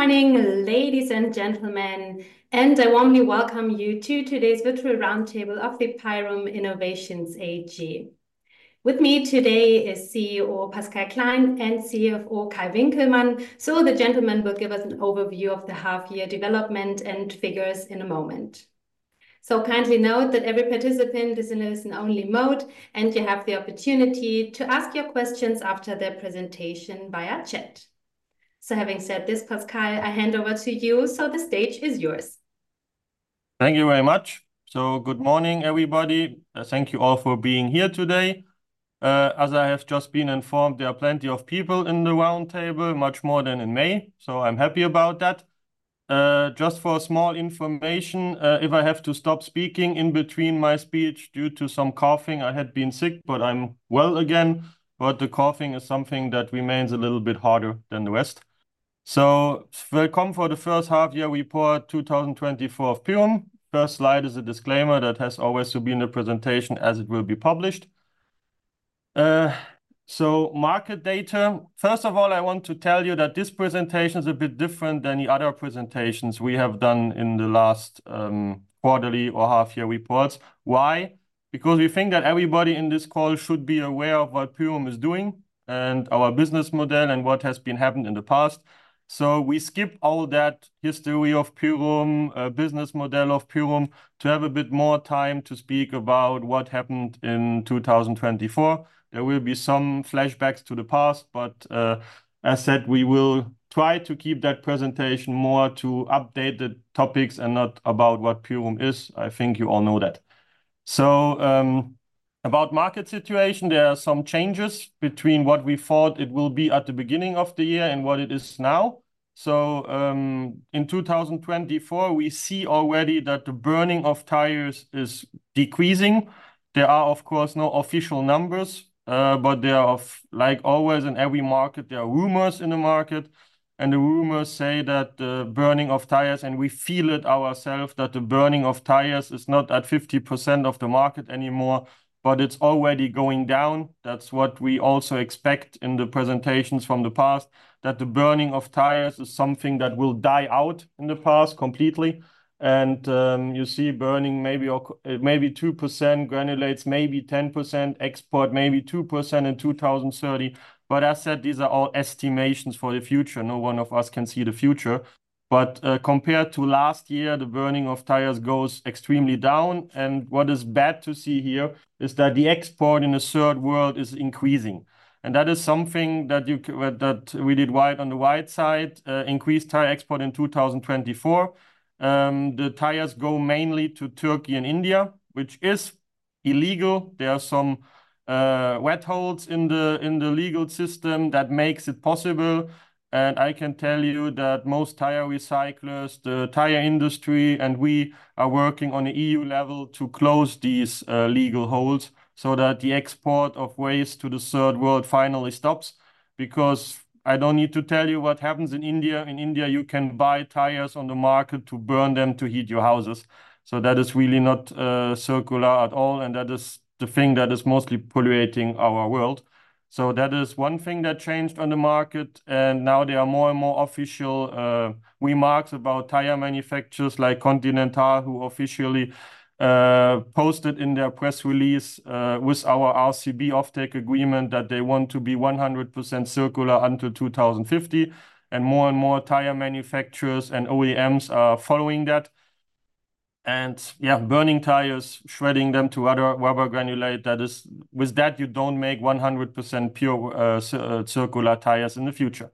Good morning, ladies and gentlemen, and I warmly welcome you to today's virtual roundtable of the Pyrum Innovations AG. With me today is CEO Pascal Klein and CFO Kai Winkelmann. So the gentlemen will give us an overview of the half-year development and figures in a moment. So kindly note that every participant is in a listen-only mode, and you have the opportunity to ask your questions after their presentation via chat. So having said this, Pascal, I hand over to you, so the stage is yours. Thank you very much. So good morning, everybody. Thank you all for being here today. As I have just been informed, there are plenty of people in the roundtable, much more than in May, so I'm happy about that. Just for a small information, if I have to stop speaking in between my speech due to some coughing, I had been sick, but I'm well again, but the coughing is something that remains a little bit harder than the rest. So welcome for the first half year report 2024 of Pyrum. First slide is a disclaimer that has always to be in the presentation as it will be published. So market data. First of all, I want to tell you that this presentation is a bit different than the other presentations we have done in the last, quarterly or half-year reports. Why? Because we think that everybody in this call should be aware of what Pyrum is doing, and our business model, and what has been happened in the past. So we skip all that history of Pyrum, business model of Pyrum, to have a bit more time to speak about what happened in 2024. There will be some flashbacks to the past, but, as said, we will try to keep that presentation more to update the topics and not about what Pyrum is. I think you all know that. So, about market situation, there are some changes between what we thought it will be at the beginning of the year and what it is now. So, in 2024, we see already that the burning of tires is decreasing. There are, of course, no official numbers, but there are, like always in every market, there are rumors in the market, and the rumors say that the burning of tires, and we feel it ourselves, that the burning of tires is not at 50% of the market anymore, but it's already going down. That's what we also expect in the presentations from the past, that the burning of tires is something that will die out in the past completely. You see burning maybe 2%, granulates maybe 10%, export maybe 2% in 2030. But as said, these are all estimations for the future. No one of us can see the future. But, compared to last year, the burning of tires goes extremely down, and what is bad to see here is that the export in the Third World is increasing, and that is something that you can see the downside, increased tire export in 2024. The tires go mainly to Turkey and India, which is illegal. There are some loopholes in the legal system that makes it possible, and I can tell you that most tire recyclers, the tire industry, and we are working on the EU level to close these legal loopholes so that the export of waste to the Third World finally stops, because I don't need to tell you what happens in India. In India, you can buy tires on the market to burn them to heat your houses. That is really not circular at all, and that is the thing that is mostly polluting our world. That is one thing that changed on the market, and now there are more and more official remarks about tire manufacturers like Continental, who officially posted in their press release with our RCB offtake agreement, that they want to be 100% circular until 2050, and more and more tire manufacturers and OEMs are following that. Yeah, burning tires, shredding them to other rubber granulate, that is with that, you don't make 100% pure circular tires in the future.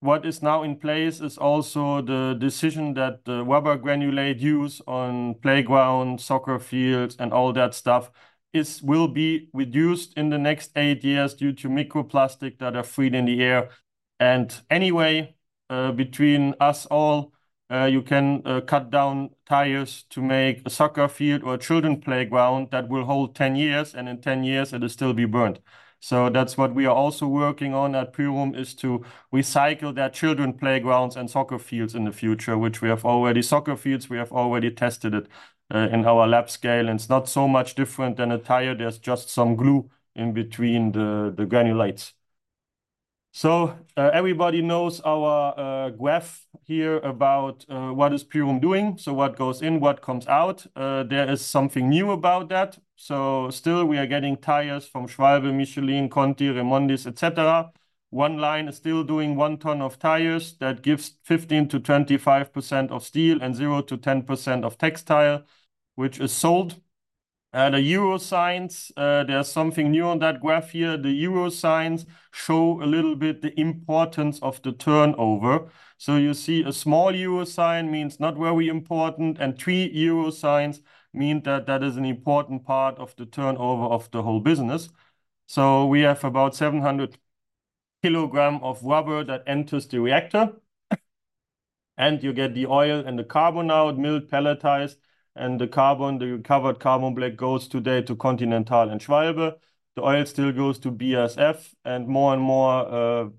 What is now in place is also the decision that the rubber granulate used on playground, soccer fields, and all that stuff is, will be reduced in the next eight years due to microplastics that are freed in the air. Anyway, between us all, you can cut down tires to make a soccer field or children playground that will hold ten years, and in ten years it'll still be burnt. That's what we are also working on at Pyrum, is to recycle the children playgrounds and soccer fields in the future, which we have already soccer fields, we have already tested it, in our lab scale, and it's not so much different than a tire. There's just some glue in between the granulates. Everybody knows our graph here about what is Pyrum doing. What goes in, what comes out. There is something new about that. Still we are getting tires from Schwalbe, Michelin, Conti, Remondis, et cetera. One line is still doing one ton of tires that gives 15%-25% of steel and 0%-10% of textile, which is sold. And the euro signs, there's something new on that graph here. The euro signs show a little bit the importance of the turnover. You see a small euro sign means not very important, and three euro signs mean that that is an important part of the turnover of the whole business. We have about 700 kilograms of rubber that enters the reactor, and you get the oil and the carbon out, milled, pelletized, and the carbon, the recovered carbon black, goes today to Continental and Schwalbe. The oil still goes to BASF, and more and more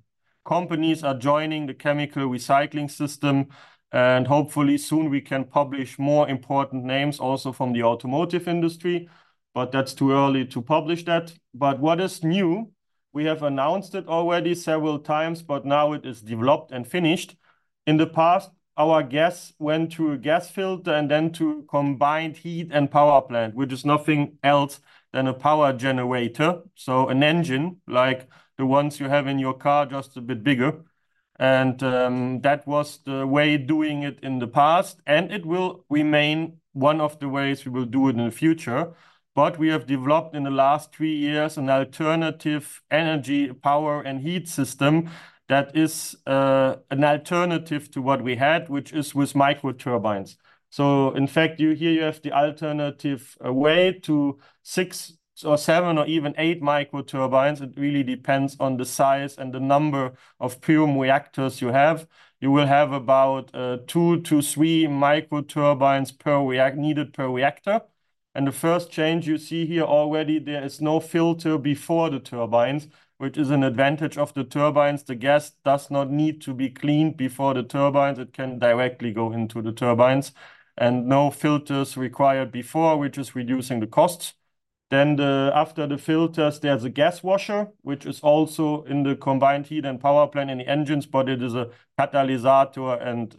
companies are joining the chemical recycling system, and hopefully soon we can publish more important names also from the automotive industry, but that's too early to publish that. But what is new, we have announced it already several times, but now it is developed and finished. In the past, our gas went through a gas filter and then to combined heat and power plant, which is nothing else than a power generator. So an engine, like the ones you have in your car, just a bit bigger. And that was the way doing it in the past, and it will remain one of the ways we will do it in the future. But we have developed, in the last three years, an alternative energy, power, and heat system that is an alternative to what we had, which is with microturbines. So in fact, you here you have the alternative way to six or seven or even eight microturbines. It really depends on the size and the number of Pyrum reactors you have. You will have about two to three microturbines needed per reactor. And the first change you see here already, there is no filter before the turbines, which is an advantage of the turbines. The gas does not need to be cleaned before the turbines. It can directly go into the turbines, and no filters required before, which is reducing the costs. Then, after the filters, there's a gas washer, which is also in the combined heat and power plant in the engines, but it is a catalyst, and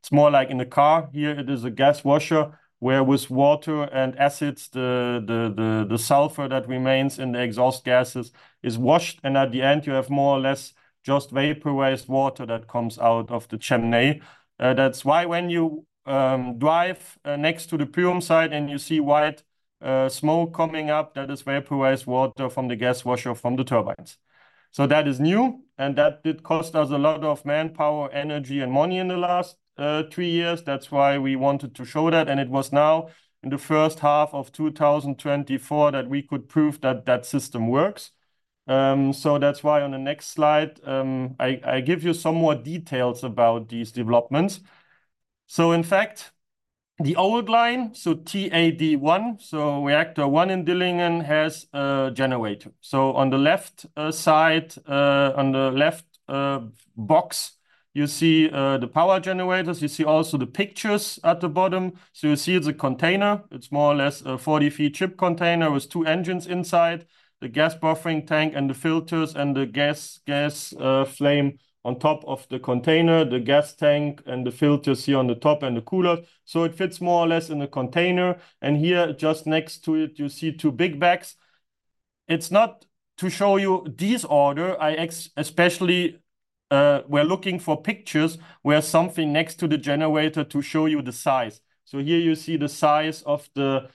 it's more like in the car. Here, it is a gas washer, where with water and acids, the sulfur that remains in the exhaust gases is washed, and at the end, you have more or less just vaporized water that comes out of the chimney. That's why when you drive next to the Pyrum site and you see white smoke coming up, that is vaporized water from the gas washer from the turbines. So that is new, and that did cost us a lot of manpower, energy, and money in the last three years. That's why we wanted to show that, and it was now, in the first half of 2024, that we could prove that that system works. So that's why on the next slide, I give you somewhat details about these developments. So in fact, the old line, so TAD 1, so reactor one in Dillingen, has a generator. So on the left side, on the left box, you see the power generators. You see also the pictures at the bottom. So you see it's a container. It's more or less a 40-foot shipping container with two engines inside, the gas buffering tank and the filters and the gas flame on top of the container, the gas tank and the filters here on the top, and the cooler. So it fits more or less in a container. And here, just next to it, you see two big bags. It's not to show you disorder. Especially, we're looking for pictures where something next to the generator to show you the size. So here you see the size of the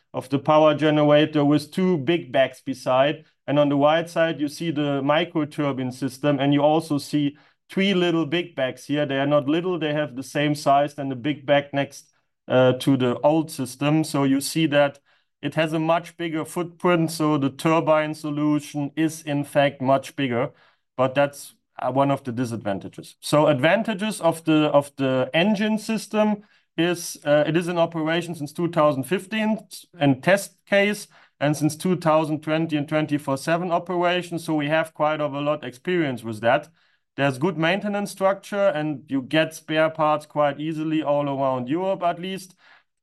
power generator with two big bags beside. And on the right side, you see the microturbine system, and you also see three little big bags here. They are not little. They have the same size than the big bag next to the old system. So you see that it has a much bigger footprint, so the turbine solution is in fact much bigger, but that's one of the disadvantages. Advantages of the engine system is it is in operation since 2015, and test case, and since 2020 24/7 operation, so we have quite a lot experience with that. There's good maintenance structure, and you get spare parts quite easily all around Europe at least,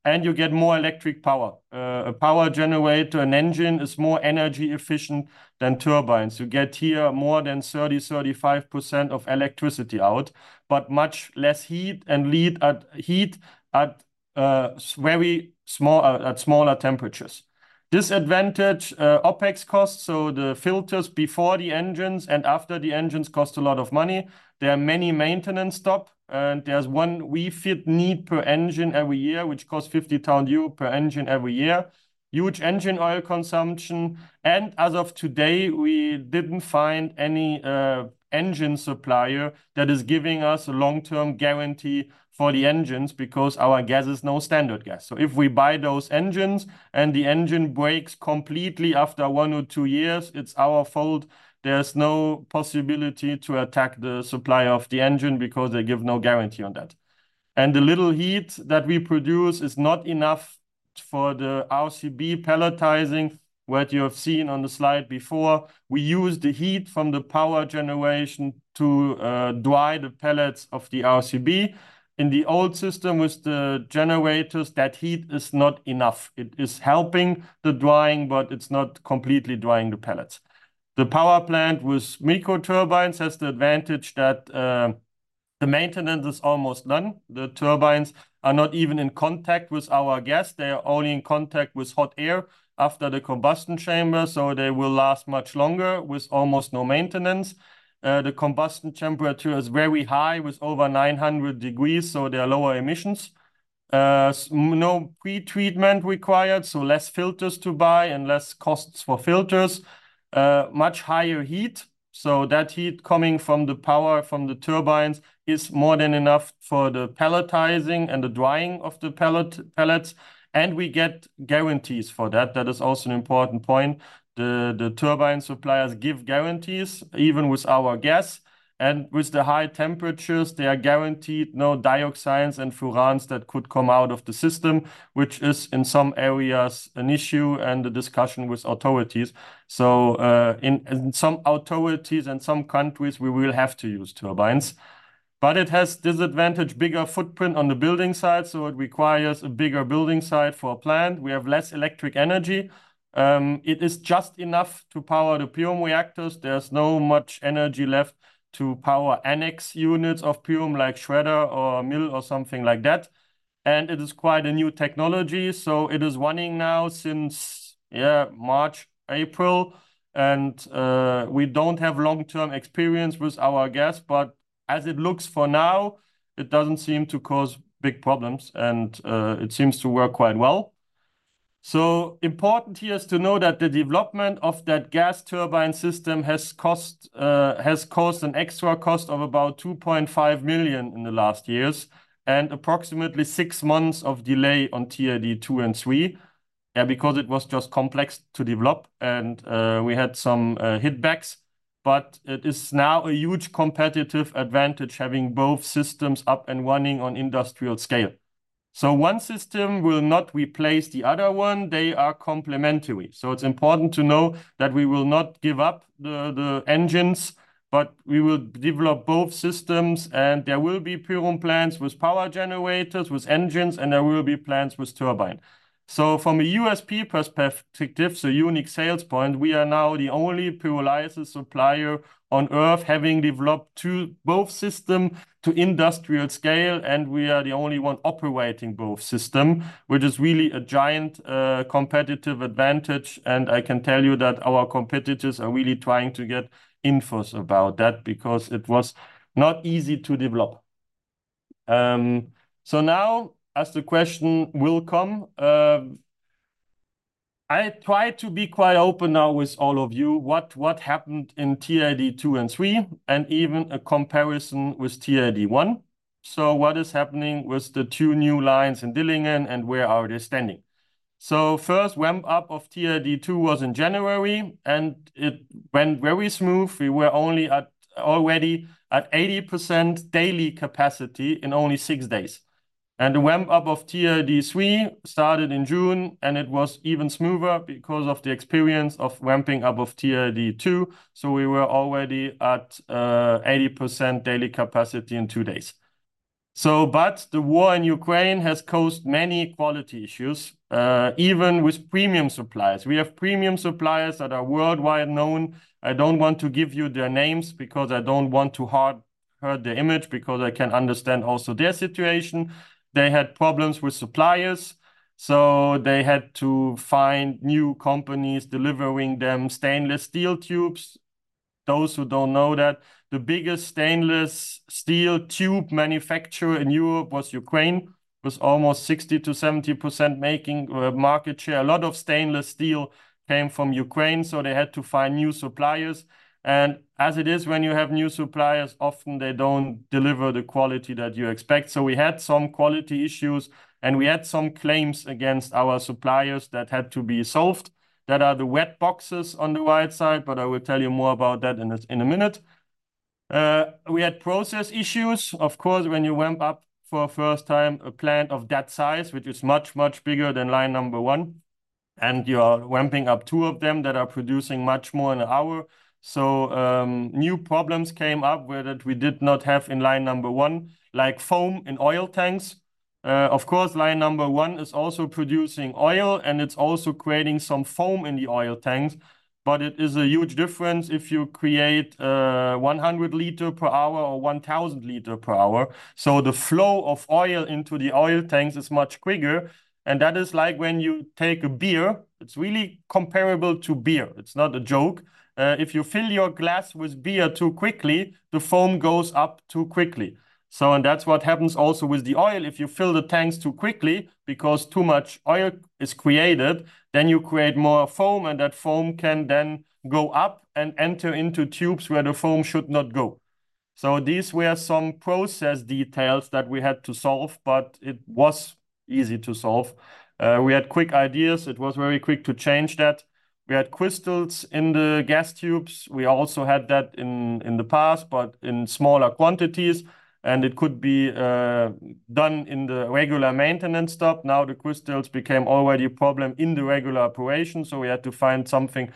and you get more electric power. A power generator and engine is more energy efficient than turbines. You get here more than 30%-35% of electricity out, but much less heat and less heat at smaller temperatures. Disadvantage OpEx costs, so the filters before the engines and after the engines cost a lot of money. There are many maintenance stops, and there's one refit need per engine every year, which costs 50,000 euro per engine every year. Huge engine oil consumption, and as of today, we didn't find any engine supplier that is giving us a long-term guarantee for the engines because our gas is no standard gas. So if we buy those engines and the engine breaks completely after one or two years, it's our fault. There's no possibility to attack the supplier of the engine because they give no guarantee on that. And the little heat that we produce is not enough for the RCB pelletizing, what you have seen on the slide before. We use the heat from the power generation to dry the pellets of the RCB. In the old system with the generators, that heat is not enough. It is helping the drying, but it's not completely drying the pellets. The power plant with microturbines has the advantage that the maintenance is almost none. The turbines are not even in contact with our gas. They are only in contact with hot air after the combustion chamber, so they will last much longer with almost no maintenance. The combustion temperature is very high, with over 900 degrees, so there are lower emissions. No pre-treatment required, so less filters to buy and less costs for filters. Much higher heat, so that heat coming from the power from the turbines is more than enough for the pelletizing and the drying of the pellets. And we get guarantees for that. That is also an important point. The turbine suppliers give guarantees, even with our gas, and with the high temperatures, they are guaranteed no dioxins and furans that could come out of the system, which is, in some areas, an issue and a discussion with authorities. In some authorities and some countries, we will have to use turbines, but it has disadvantage, bigger footprint on the building site, so it requires a bigger building site for a plant. We have less electric energy. It is just enough to power the Pyrum reactors. There's not much energy left to power annex units of Pyrum, like shredder or mill or something like that. It is quite a new technology, so it is running now since March, April, and we don't have long-term experience with our gas. But as it looks for now, it doesn't seem to cause big problems, and it seems to work quite well. Important here is to know that the development of that gas turbine system has caused an extra cost of about 2.5 million in the last years, and approximately six months of delay on TAD 2 and 3. Because it was just complex to develop, and we had some setbacks. But it is now a huge competitive advantage having both systems up and running on industrial scale. One system will not replace the other one, they are complementary. It's important to know that we will not give up the engines, but we will develop both systems, and there will be Pyrum plants with power generators, with engines, and there will be plants with turbine. From a USP perspective, unique sales point, we are now the only Pyrum supplier on Earth, having developed two, both systems to industrial scale, and we are the only one operating both systems, which is really a giant competitive advantage, and I can tell you that our competitors are really trying to get infos about that, because it was not easy to develop. Now, as the question will come, I try to be quite open now with all of you, what happened in TAD 2 and 3, and even a comparison with TAD 1. What is happening with the two new lines in Dillingen, and where are they standing? First ramp up of TAD 2 was in January, and it went very smooth. We were already at 80% daily capacity in only six days. And the ramp up of TAD 3 started in June, and it was even smoother because of the experience of ramping up of TAD 2, so we were already at 80% daily capacity in two days. But the war in Ukraine has caused many quality issues, even with premium suppliers. We have premium suppliers that are worldwide known. I don't want to give you their names, because I don't want to hurt their image, because I can understand also their situation. They had problems with suppliers, so they had to find new companies delivering them stainless steel tubes. Those who don't know that, the biggest stainless steel tube manufacturer in Europe was Ukraine, was almost 60%-70% making market share. A lot of stainless steel came from Ukraine, so they had to find new suppliers. As it is, when you have new suppliers, often they don't deliver the quality that you expect. We had some quality issues, and we had some claims against our suppliers that had to be solved. That are the wet boxes on the right side, but I will tell you more about that in a minute. We had process issues. Of course, when you ramp up for a first time, a plant of that size, which is much, much bigger than line number one, and you are ramping up two of them that are producing much more in an hour. New problems came up with it we did not have in line number one, like foam in oil tanks. Of course, line number one is also producing oil, and it's also creating some foam in the oil tanks, but it is a huge difference if you create 100 liter per hour or 1,000 liter per hour. So the flow of oil into the oil tanks is much quicker, and that is like when you take a beer, it's really comparable to beer. It's not a joke. If you fill your glass with beer too quickly, the foam goes up too quickly. So, and that's what happens also with the oil. If you fill the tanks too quickly, because too much oil is created, then you create more foam, and that foam can then go up and enter into tubes where the foam should not go. So these were some process details that we had to solve, but it was easy to solve. We had quick ideas. It was very quick to change that. We had crystals in the gas tubes. We also had that in the past, but in smaller quantities, and it could be done in the regular maintenance stop. Now, the crystals became already a problem in the regular operation, so we had to find something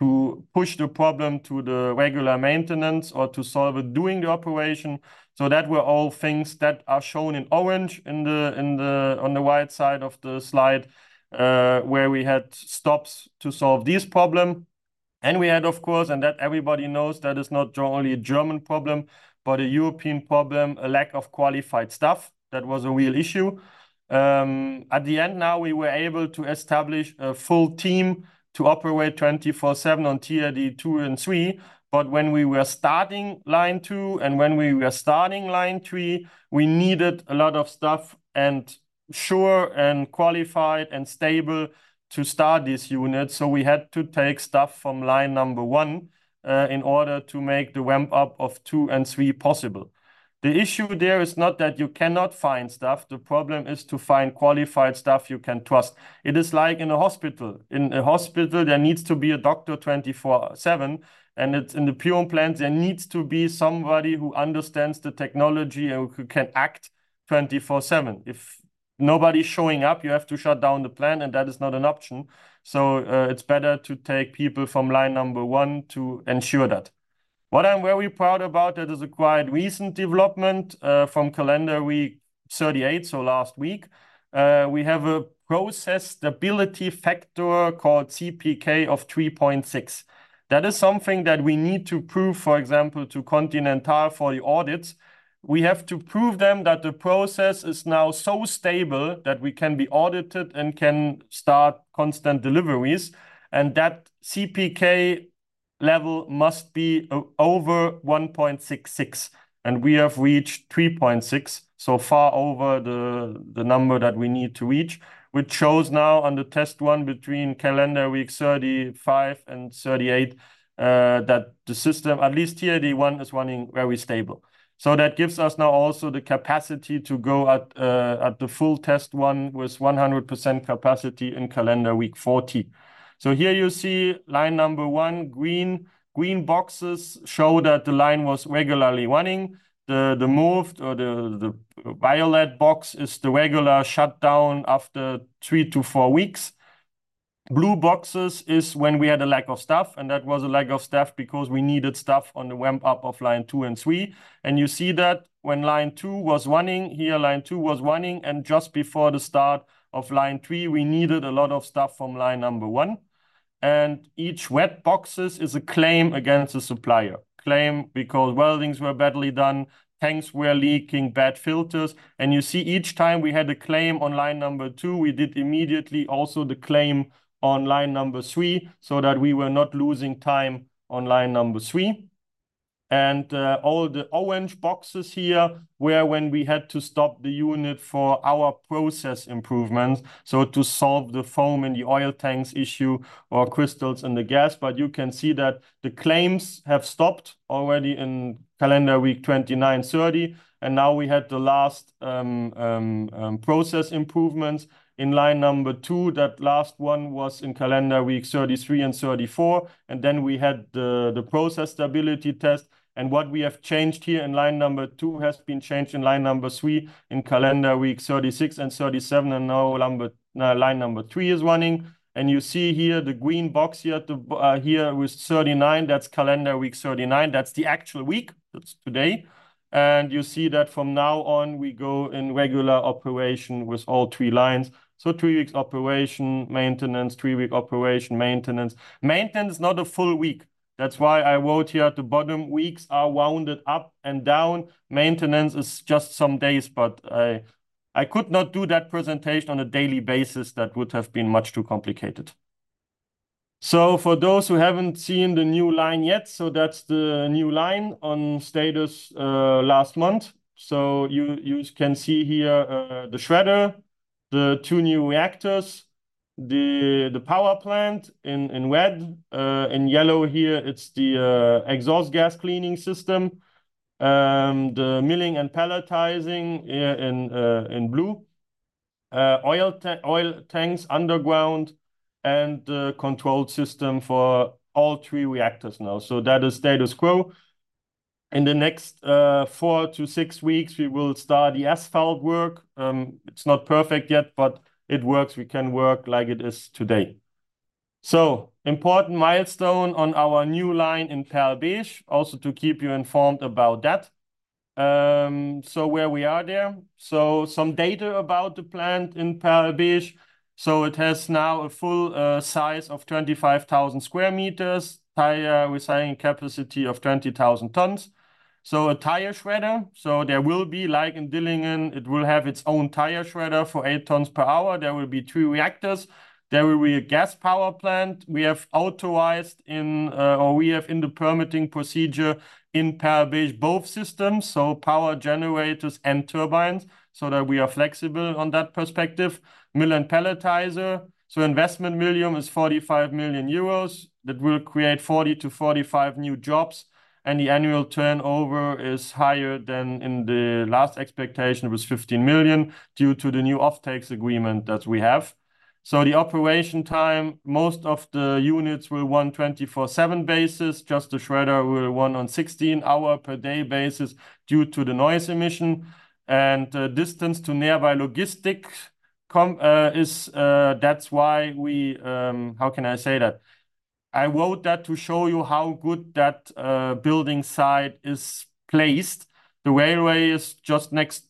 to push the problem to the regular maintenance or to solve it during the operation. So that were all things that are shown in orange, on the right side of the slide, where we had stops to solve this problem. And we had, of course, and that everybody knows that is not only a German problem, but a European problem, a lack of qualified staff. That was a real issue. At the end now, we were able to establish a full team to operate 24/7 on TAD 2 and 3. But when we were starting line two, and when we were starting line three, we needed a lot of staff, and sure, and qualified, and stable to start this unit. So we had to take staff from line number one in order to make the ramp up of two and three possible. The issue there is not that you cannot find staff, the problem is to find qualified staff you can trust. It is like in a hospital. In a hospital, there needs to be a doctor 24/7, and in the Pyrum plant, there needs to be somebody who understands the technology and who can act 24/7. If nobody's showing up, you have to shut down the plant, and that is not an option. It's better to take people from line number one to ensure that. What I'm very proud about, that is a quite recent development, from calendar week 38, so last week. We have a process stability factor called CPK of 3.6. That is something that we need to prove, for example, to Continental for the audits. We have to prove them that the process is now so stable that we can be audited and can start constant deliveries, and that CPK level must be over 1.66, and we have reached 3.6, so far over the number that we need to reach. Which shows now on the test run between calendar week 35 and 38, that the system, at least here, the one is running very stable. That gives us now also the capacity to go at, at the full test run with 100% capacity in calendar week 40. Here you see line number one, green. Green boxes show that the line was regularly running. The violet box is the regular shutdown after three to four weeks. Blue boxes is when we had a lack of staff, and that was a lack of staff because we needed staff on the ramp-up of line two and three. You see that when line two was running, here, line two was running, and just before the start of line three, we needed a lot of staff from line number one. Each red boxes is a claim against the supplier. Claim because weldings were badly done, tanks were leaking, bad filters. You see each time we had a claim on line number two, we did immediately also the claim on line number three, so that we were not losing time on line number three. All the orange boxes here were when we had to stop the unit for our process improvements, so to solve the foam in the oil tanks issue or crystals in the gas. You can see that the claims have stopped already in calendar week 29, 30, and now we had the last process improvements in line number two. That last one was in calendar week 33 and 34, and then we had the process stability test. What we have changed here in line number two has been changed in line number three in calendar week 36 and 37, and now line number three is running. You see here the green box here at the bottom here with 39. That's calendar week 39. That's the actual week. That's today. You see that from now on, we go in regular operation with all three lines. Three weeks operation, maintenance, three week operation, maintenance. Maintenance is not a full week. That's why I wrote here at the bottom, "Weeks are rounded up and down." Maintenance is just some days, but I could not do that presentation on a daily basis. That would have been much too complicated. For those who haven't seen the new line yet, that's the new line on status last month. You can see here the shredder, the two new reactors, the power plant in red. In yellow here, it's the exhaust gas cleaning system. The milling and palletizing in blue. Oil tanks underground, and the controlled system for all three reactors now. So that is status quo. In the next four to six weeks, we will start the asphalt work. It's not perfect yet, but it works. We can work like it is today. So important milestone on our new line in Perl-Besch, also to keep you informed about that. So where we are there. So some data about the plant in Perl-Besch. So it has now a full size of 25,000 square meters, tire recycling capacity of 20,000 tons. So a tire shredder, so there will be, like in Dillingen, it will have its own tire shredder for eight tons per hour. There will be two reactors. There will be a gas power plant. We have authorized in, or we have in the permitting procedure in Perl-Besch, both systems, so power generators and turbines, so that we are flexible on that perspective. Milling palletizer, so investment million is 45 million euros. That will create 40 to 45 new jobs, and the annual turnover is higher than in the last expectation, it was 15 million, due to the new offtakes agreement that we have. The operation time, most of the units will run 24/7 basis. Just the shredder will run on 16-hour per day basis due to the noise emission. Distance to nearby logistic com is, that's why we. How can I say that? I wrote that to show you how good that building site is placed. The railway is just next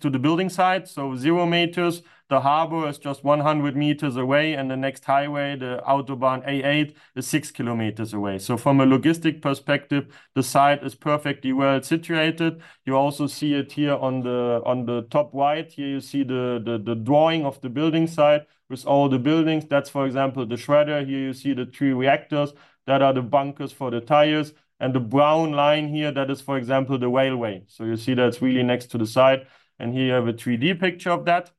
to the building site, so zero meters. The harbor is just 100 meters away, and the next highway, the Autobahn A8, is six kilometers away. From a logistic perspective, the site is perfectly well situated. You also see it here on the top right. Here you see the drawing of the building site with all the buildings. That's, for example, the shredder. Here you see the two reactors. That are the bunkers for the tires. And the brown line here, that is, for example, the railway. You see that's really next to the site, and here you have a 3D picture of that.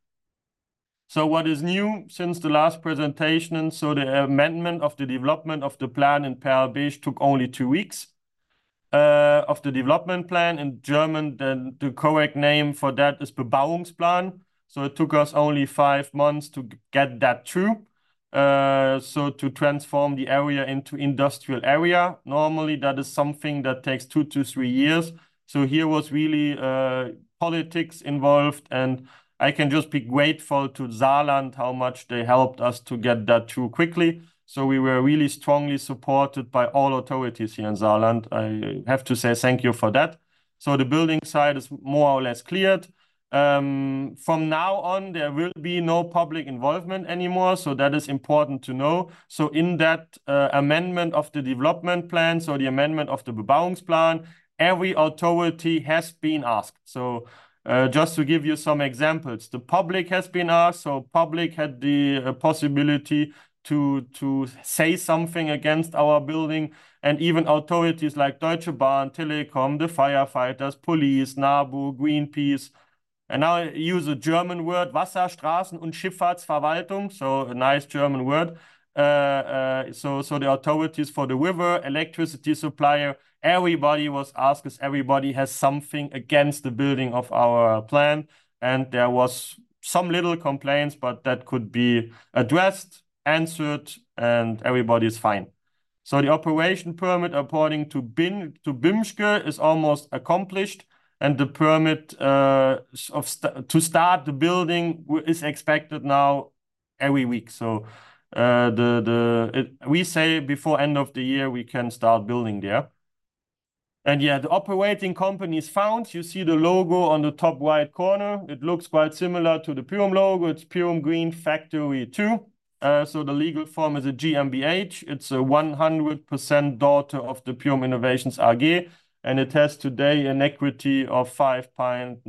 What is new since the last presentation? The amendment of the development of the plan in Perl-Besch took only two weeks of the development plan. In German, the correct name for that is Bebauungsplan. So it took us only five months to get that through. To transform the area into industrial area, normally that is something that takes two to three years. Here was really politics involved, and I can just be grateful to Saarland, how much they helped us to get that through quickly. We were really strongly supported by all authorities here in Saarland. I have to say thank you for that. The building site is more or less cleared. From now on, there will be no public involvement anymore, so that is important to know. In that amendment of the development plan, the amendment of the Bebauungsplan, every authority has been asked. So, just to give you some examples, the public has been asked, so public had the possibility to say something against our building, and even authorities like Deutsche Bahn, Telekom, the firefighters, police, NABU, Greenpeace, and I'll use a German word, Wasserstraßen- und Schifffahrtsverwaltung, so a nice German word. So the authorities for the river, electricity supplier, everybody was asked, 'cause everybody has something against the building of our plant, and there was some little complaints, but that could be addressed, answered, and everybody's fine. So the operating permit according to BImSchG is almost accomplished, and the permit to start the building is expected now every week. So we say before end of the year, we can start building there. And yeah, the operating company is found. You see the logo on the top right corner. It looks quite similar to the Pyrum logo. It's Pyrum Green Factory II. So the legal form is a GmbH. It's a 100% daughter of the Pyrum Innovations AG, and it has today an equity of 5.9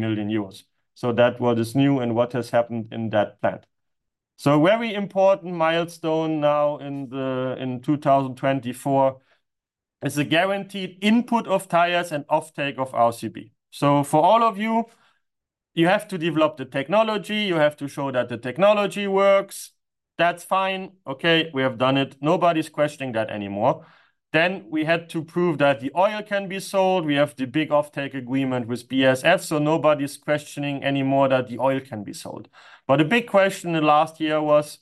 million euros. So what is new and what has happened in that plant. So very important milestone now in 2024 is a guaranteed input of tires and offtake of RCB. So for all of you, you have to develop the technology. You have to show that the technology works. That's fine. Okay, we have done it. Nobody's questioning that anymore. Then we had to prove that the oil can be sold. We have the big offtake agreement with BASF, so nobody's questioning anymore that the oil can be sold. But the big question in last year was,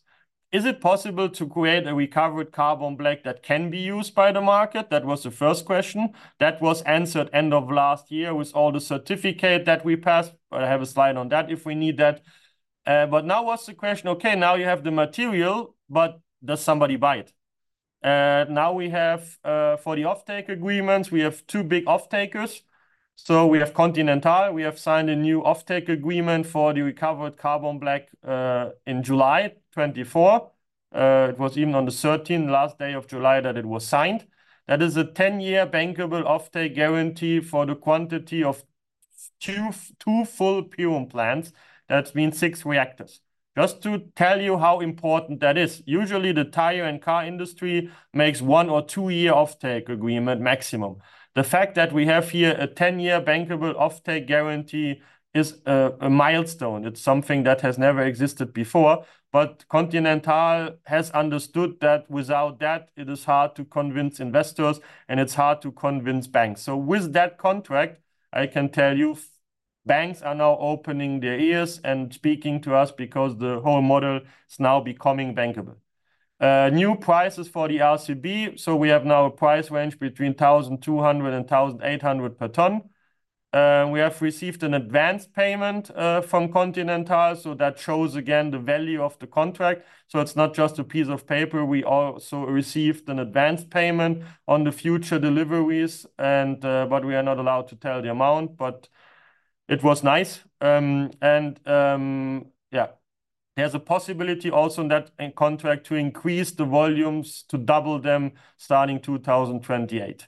is it possible to create a recovered carbon black that can be used by the market? That was the first question. That was answered end of last year with all the certificate that we passed, but I have a slide on that if we need that. But now what's the question? Okay, now you have the material, but does somebody buy it? Now we have, for the offtake agreements, we have two big offtakers. So we have Continental. We have signed a new offtake agreement for the recovered carbon black, in July 2024. It was even on the 13th, last day of July, that it was signed. That is a ten-year bankable offtake guarantee for the quantity of two, two full Pyrum plants. That means six reactors. Just to tell you how important that is, usually the tire and car industry makes one- or two-year offtake agreement maximum. The fact that we have here a ten-year bankable offtake guarantee is a milestone. It's something that has never existed before, but Continental has understood that without that, it is hard to convince investors, and it's hard to convince banks. So with that contract, I can tell you, banks are now opening their ears and speaking to us because the whole model is now becoming bankable. New prices for the RCB, so we have now a price range between 1,200 and 1,800 per ton. We have received an advance payment from Continental, so that shows again the value of the contract. So it's not just a piece of paper. We also received an advance payment on the future deliveries, and, but we are not allowed to tell the amount, but it was nice. And, yeah, there's a possibility also in that contract to increase the volumes, to double them, starting 2028.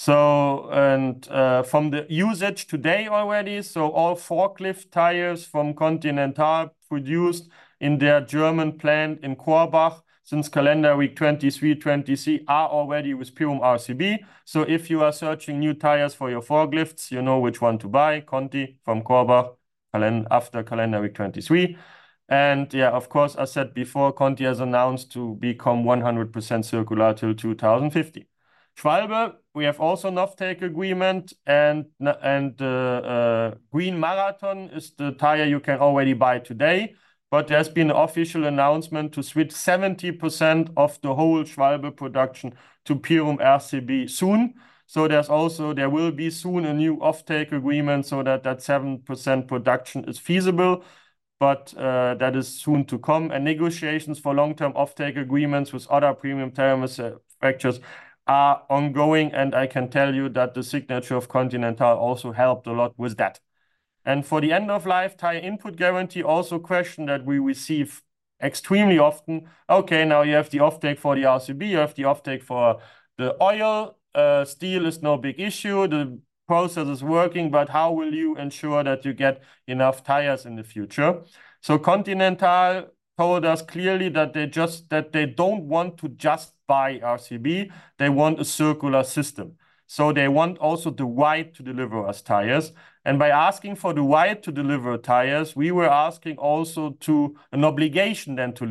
So, and, from the usage today already, so all forklift tires from Continental produced in their German plant in Korbach since calendar week 23, 2023 are already with Pyrum RCB. So if you are searching new tires for your forklifts, you know which one to buy, Conti from Korbach, after calendar week 23. And yeah, of course, I said before, Conti has announced to become 100% circular till 2050. Schwalbe, we have also an offtake agreement, and Green Marathon is the tire you can already buy today, but there's been an official announcement to switch 70% of the whole Schwalbe production to Pyrum RCB soon. So there's also there will be soon a new offtake agreement so that 7% production is feasible, but that is soon to come. And negotiations for long-term offtake agreements with other premium tire manufacturers are ongoing, and I can tell you that the signature of Continental also helped a lot with that. And for the end-of-life tire input guarantee, also a question that we receive extremely often, "Okay, now you have the offtake for the RCB, you have the offtake for the oil. Steel is no big issue. The process is working, but how will you ensure that you get enough tires in the future?" So Continental told us clearly that they just that they don't want to just buy RCB, they want a circular system. So they want also the right to deliver us tires, and by asking for the right to deliver tires, we were asking also for an obligation to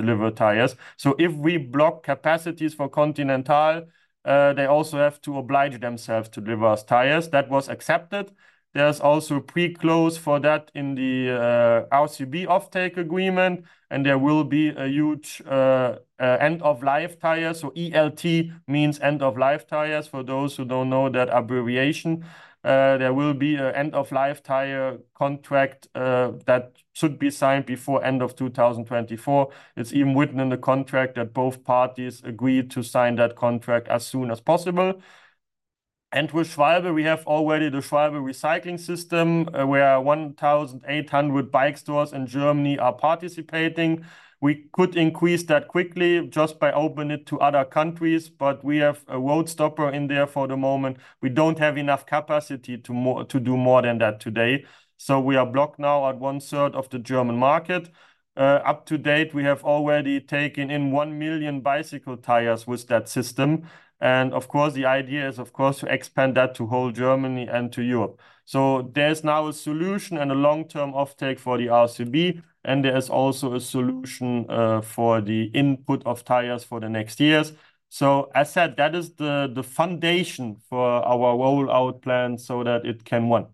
deliver tires. So if we block capacities for Continental, they also have to oblige themselves to deliver us tires. That was accepted. There's also a pre-close for that in the RCB offtake agreement, and there will be a huge end-of-life tire. So ELT means end-of-life tires, for those who don't know that abbreviation. There will be an end-of-life tire contract that should be signed before end of 2024. It's even written in the contract that both parties agreed to sign that contract as soon as possible. And with Schwalbe, we have already the Schwalbe recycling system, where 1,800 bike stores in Germany are participating. We could increase that quickly just by opening it to other countries, but we have a roadblock in there for the moment. We don't have enough capacity to do more than that today. So we are blocked now at one-third of the German market. To date, we have already taken in 1 million bicycle tires with that system, and of course, the idea is, of course, to expand that to whole Germany and to Europe. So there's now a solution and a long-term offtake for the RCB, and there is also a solution for the input of tires for the next years. As said, that is the foundation for our rollout plan so that it can run.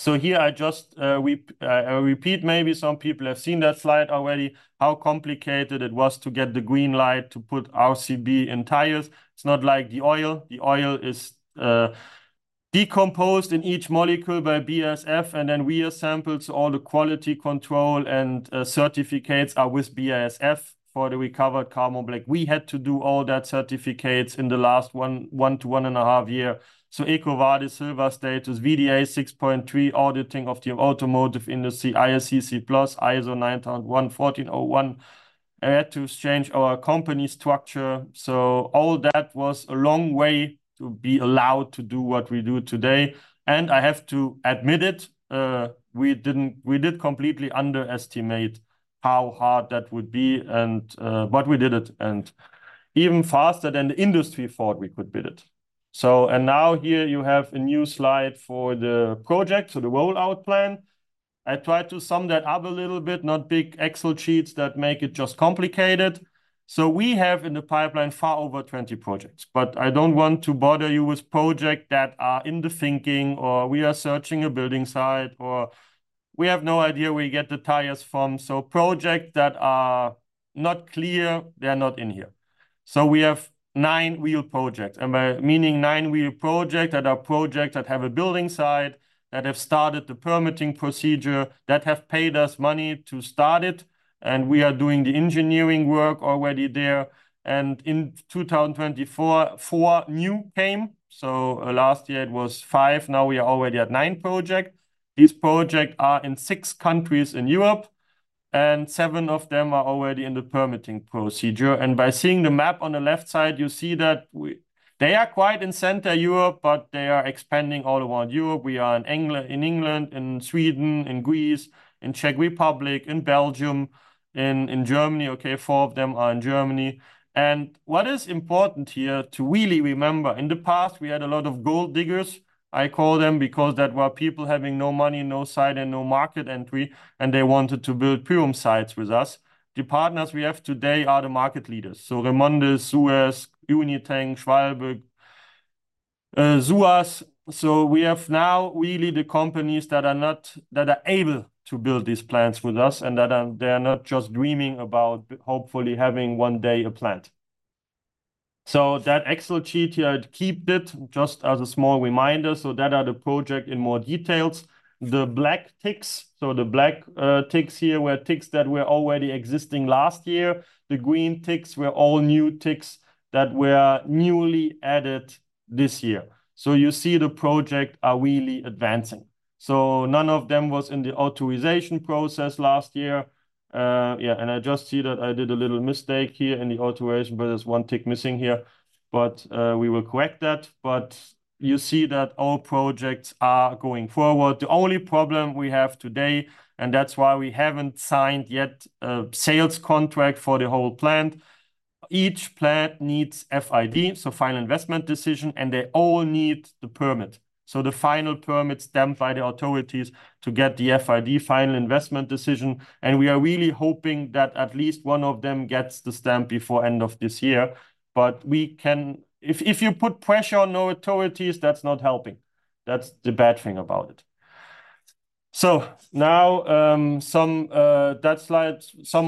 Here I just repeat, maybe some people have seen that slide already, how complicated it was to get the green light to put RCB in tires. It's not like the oil. The oil is decomposed in each molecule by BASF, and then we assemble, so all the quality control and certificates are with BASF for the recovered carbon black. We had to do all that certificates in the last one to one and a half year. EcoVadis Silver status, VDA 6.3 auditing of the automotive industry, ISCC PLUS, ISO 9001, ISO 14001. I had to change our company structure. All that was a long way to be allowed to do what we do today. And I have to admit it, we did completely underestimate how hard that would be, and, but we did it, and even faster than the industry thought we could build it. So, and now here you have a new slide for the project, so the rollout plan. I tried to sum that up a little bit, not big Excel sheets that make it just complicated. So we have in the pipeline far over twenty projects, but I don't want to bother you with project that are in the thinking, or we are searching a building site, or we have no idea where we get the tires from. So project that are not clear, they are not in here. So we have nine real projects, and I mean nine real project, that are projects that have a building site, that have started the permitting procedure, that have paid us money to start it, and we are doing the engineering work already there. And in 2024, four new came, so last year it was five, now we are already at nine project. These project are in six countries in Europe, and seven of them are already in the permitting procedure. And by seeing the map on the left side, you see that they are quite in Central Europe, but they are expanding all around Europe. We are in England, in England, in Sweden, in Greece, in Czech Republic, in Belgium, in Germany. Okay, four of them are in Germany. And what is important here to really remember, in the past, we had a lot of gold diggers, I call them, because that were people having no money, no site, and no market entry, and they wanted to build Pyrum sites with us. The partners we have today are the market leaders, so REMONDIS, SUEZ, UNITANK, Schwalbe, SUEZ. So we have now really the companies that are able to build these plants with us, and they are not just dreaming about hopefully having one day a plant. So that Excel sheet here, I keep it just as a small reminder, so that are the project in more details. The black ticks here were ticks that were already existing last year. The green ticks were all new ticks that were newly added this year. So you see the project are really advancing. So none of them was in the authorization process last year. Yeah, and I just see that I did a little mistake here in the authorization, but there's one tick missing here. But we will correct that, but you see that all projects are going forward. The only problem we have today, and that's why we haven't signed yet a sales contract for the whole plant, each plant needs FID, so final investment decision, and they all need the permit. So the final permit stamped by the authorities to get the FID, final investment decision, and we are really hoping that at least one of them gets the stamp before end of this year. But we can. If you put pressure on authorities, that's not helping. That's the bad thing about it. So now, some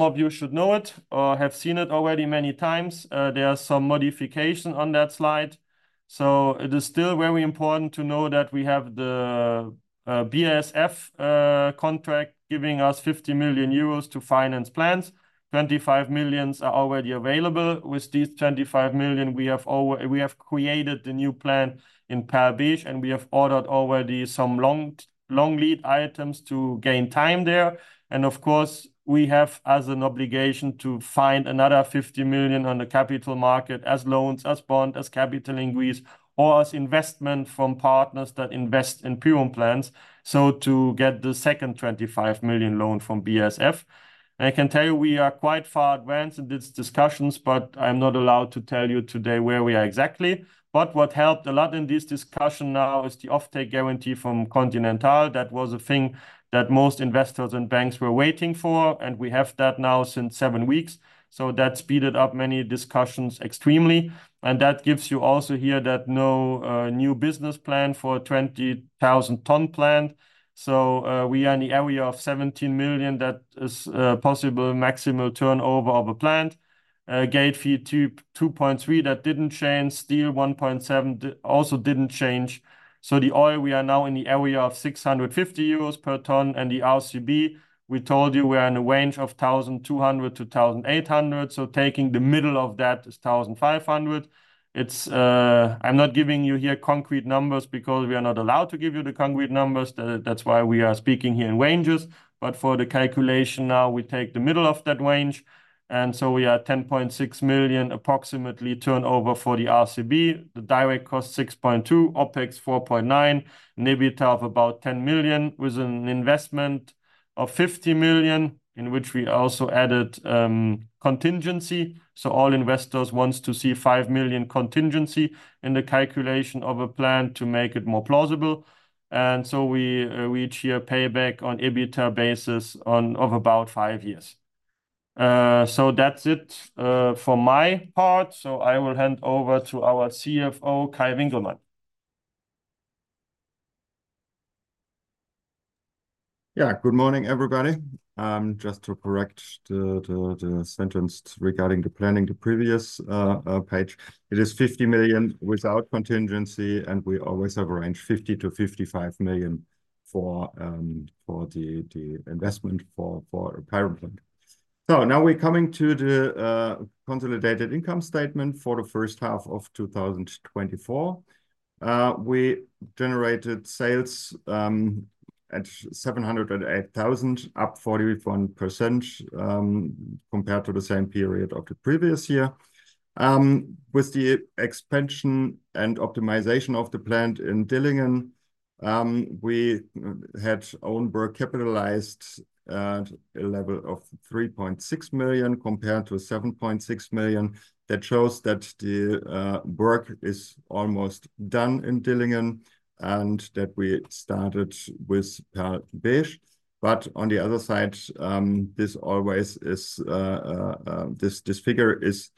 of you should know it or have seen it already many times. There are some modification on that slide. So it is still very important to know that we have the BASF contract giving us 50 million euros to finance plants. 25 million are already available. With these 25 million, we have created the new plant in Perl-Besch, and we have ordered already some long lead items to gain time there. And of course, we have as an obligation to find another 50 million on the capital market as loans, as bond, as capital increase, or as investment from partners that invest in Pyrum plants, so to get the second 25 million loan from BASF. I can tell you we are quite far advanced in these discussions, but I'm not allowed to tell you today where we are exactly. But what helped a lot in this discussion now is the offtake guarantee from Continental. That was a thing that most investors and banks were waiting for, and we have that now since seven weeks. So that speeded up many discussions extremely, and that gives you also here that new business plan for a 20,000-ton plant. So, we are in the area of 17 million, that is, possible maximal turnover of a plant. Gate fee 2-2.3, that didn't change. Steel 1.7 also didn't change. So the oil, we are now in the area of 650 euros per ton, and the RCB, we told you we are in a range of 1,200-1,800, so taking the middle of that is 1,500. It's, I'm not giving you here concrete numbers because we are not allowed to give you the concrete numbers. That's why we are speaking here in ranges. But for the calculation now, we take the middle of that range, and so we are 10.6 million, approximately, turnover for the RCB. The direct cost, 6.2; OpEx, 4.9. EBITDA of about 10 million, with an investment of 50 million, in which we also added contingency. So all investors wants to see 5 million contingency in the calculation of a plan to make it more plausible. We each year pay back on EBITDA basis of about five years. That's it for my part. I will hand over to our CFO, Kai Winkelmann. Yeah, good morning, everybody. Just to correct the sentence regarding the planning, the previous page, it is 50 million without contingency, and we always have a range, 50-55 million for the investment for our power plant. So now we're coming to the consolidated income statement for the first half of 2024. We generated sales at 708,000, up 41%, compared to the same period of the previous year. With the expansion and optimization of the plant in Dillingen, we had own work capitalized at a level of 3.6 million, compared to 7.6 million. That shows that the work is almost done in Dillingen, and that we started with Perl-Besch. But on the other side, this always is, this figure is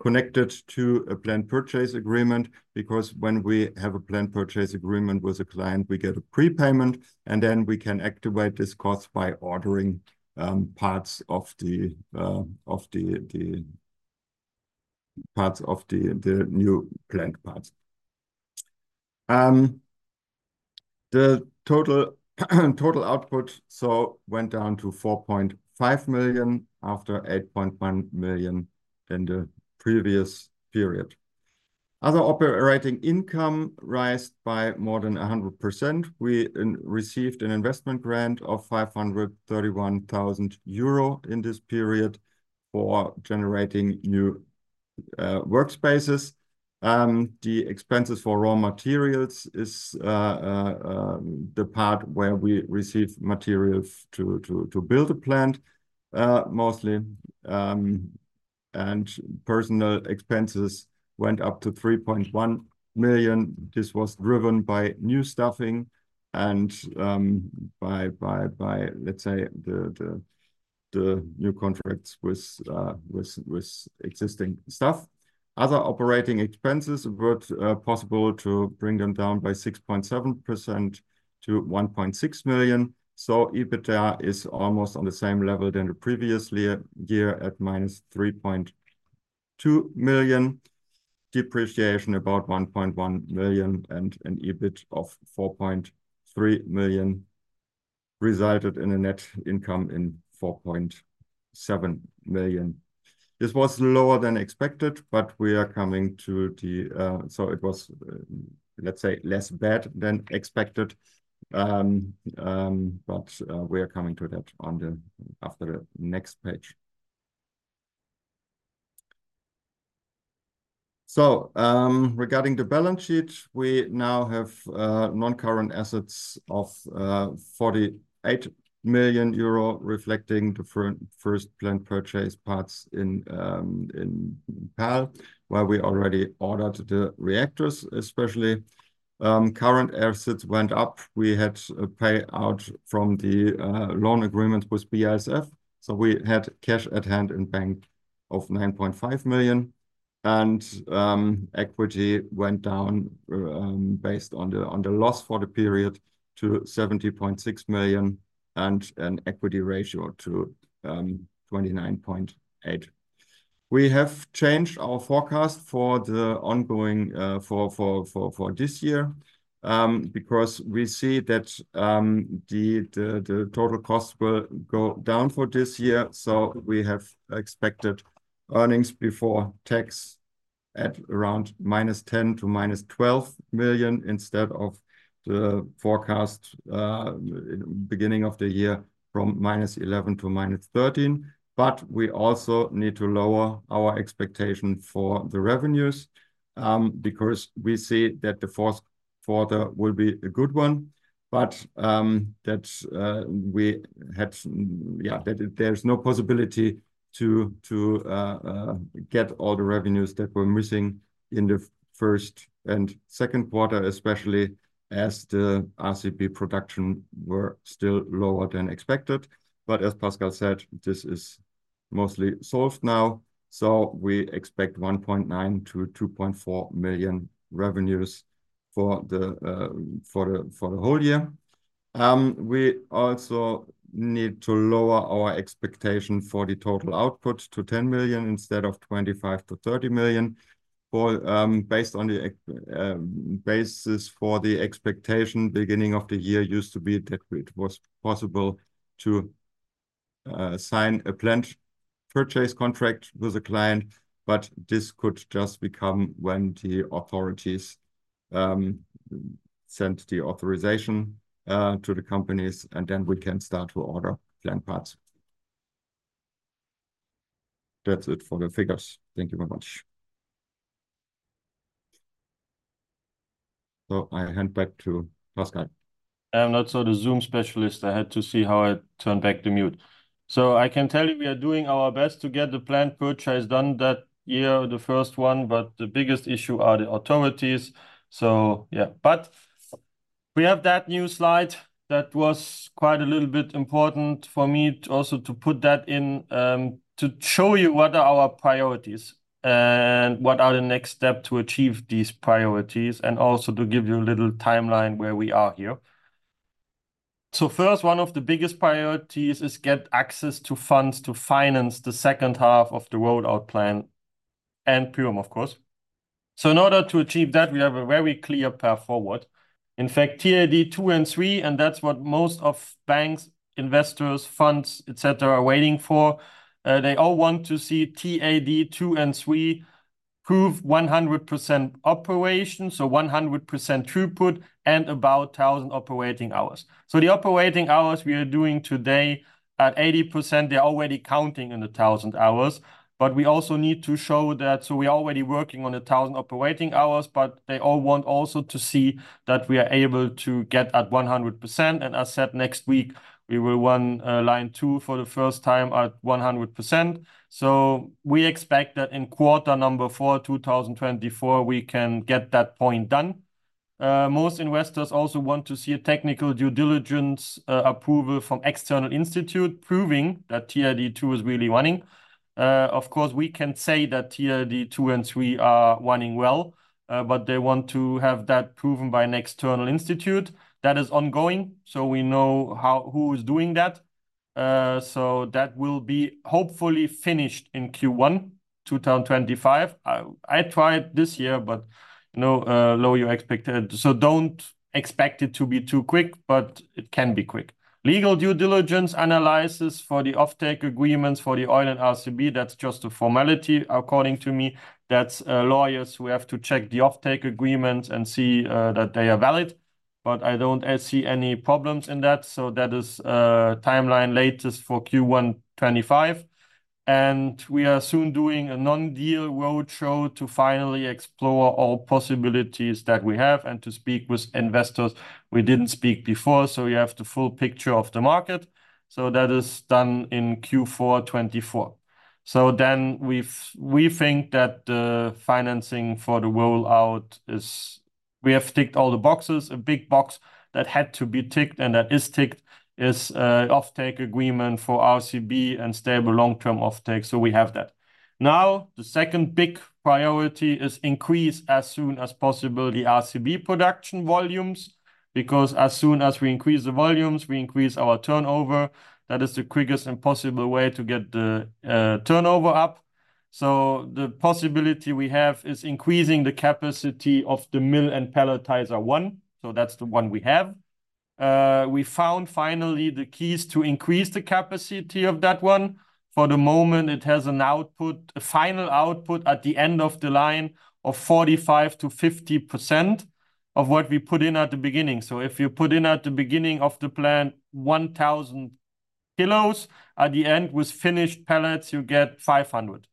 connected to a plant purchase agreement, because when we have a plant purchase agreement with a client, we get a prepayment, and then we can activate this cost by ordering parts of the new plant parts. The total output so went down to 4.5 million, after 8.1 million in the previous period. Other operating income rose by more than 100%. We received an investment grant of 531,000 euro in this period for generating new workspaces. The expenses for raw materials is the part where we receive materials to build a plant, mostly. And personal expenses went up to 3.1 million. This was driven by new staffing and, by, let's say, the new contracts with existing staff. Other operating expenses were possible to bring them down by 6.7% to 1.6 million. So EBITDA is almost on the same level than the previous year at -3.2 million. Depreciation, about 1.1 million, and an EBIT of 4.3 million resulted in a net income in 4.7 million. This was lower than expected, but we are coming to the... So it was, let's say, less bad than expected. But we are coming to that after the next page. Regarding the balance sheet, we now have non-current assets of 48 million euro, reflecting the first plant purchase parts in Perl, where we already ordered the reactors, especially. Current assets went up. We had a payout from the loan agreement with BASF, so we had cash at hand in bank of 9.5 million. Equity went down based on the loss for the period, to 70.6 million, and an equity ratio to 29.8%. We have changed our forecast for the ongoing for this year, because we see that the total costs will go down for this year. So we have expected earnings before tax at around -10 million to -12 million, instead of the forecast at the beginning of the year, from -11 million to -13 million. But we also need to lower our expectation for the revenues, because we see that the fourth quarter will be a good one. But that there's no possibility to get all the revenues that were missing in the first and second quarter, especially as the RCB production were still lower than expected. But as Pascal said, this is mostly solved now, so we expect 1.9 million to 2.4 million in revenues for the whole year. We also need to lower our expectation for the total output to 10 million, instead of 25-30 million, for, based on the basis for the expectation beginning of the year used to be that it was possible to sign a plant purchase contract with a client, but this could just become when the authorities send the authorization to the companies, and then we can start to order plant parts. That's it for the figures. Thank you very much. So I hand back to Pascal. I'm not so the Zoom specialist. I had to see how I turn back the mute. So I can tell you, we are doing our best to get the plant purchase done that year, the first one, but the biggest issue are the authorities. We have that new slide that was quite a little bit important for me to also to put that in, to show you what are our priorities and what are the next step to achieve these priorities, and also to give you a little timeline where we are here. So first, one of the biggest priorities is get access to funds to finance the second half of the rollout plan and Pyrum, of course. So in order to achieve that, we have a very clear path forward. In fact, TAD 2 and 3, and that's what most of banks, investors, funds, et cetera, are waiting for. They all want to see TAD 2 and 3 prove 100% operation, so 100% throughput, and about 1000 operating hours. So the operating hours we are doing today at 80%, they're already counting in the 1000 hours. But we also need to show that. So we're already working on the 1000 operating hours, but they all want also to see that we are able to get at 100%. And as said, next week, we will run line two for the first time at 100%. So we expect that in quarter number four, 2024, we can get that point done. Most investors also want to see a technical due diligence, approval from external institute, proving that TAD 2 is really running. Of course, we can say that TAD 2 and 3 are running well, but they want to have that proven by an external institute. That is ongoing, so we know who is doing that. So that will be hopefully finished in Q1 2025. I tried this year, but no, lower than you expected. So don't expect it to be too quick, but it can be quick. Legal due diligence analysis for the offtake agreements for the oil and RCB, that's just a formality, according to me. That's lawyers who have to check the offtake agreement and see that they are valid, but I don't see any problems in that. So that is timeline latest for Q1 2025. And we are soon doing a non-deal roadshow to finally explore all possibilities that we have and to speak with investors we didn't speak before, so we have the full picture of the market. So that is done in Q4 2024. So then we think that financing for the roll out is. We have ticked all the boxes. A big box that had to be ticked, and that is ticked, is offtake agreement for RCB and stable long-term offtake. So we have that. Now, the second big priority is increase as soon as possible the RCB production volumes, because as soon as we increase the volumes, we increase our turnover. That is the quickest and possible way to get the turnover up. So the possibility we have is increasing the capacity of the mill and pelletizer one, so that's the one we have. We found finally the keys to increase the capacity of that one. For the moment, it has an output, a final output at the end of the line of 45%-50% of what we put in at the beginning. So if you put in at the beginning of the plant, 1000 kilos, at the end, with finished pellets, you get 500.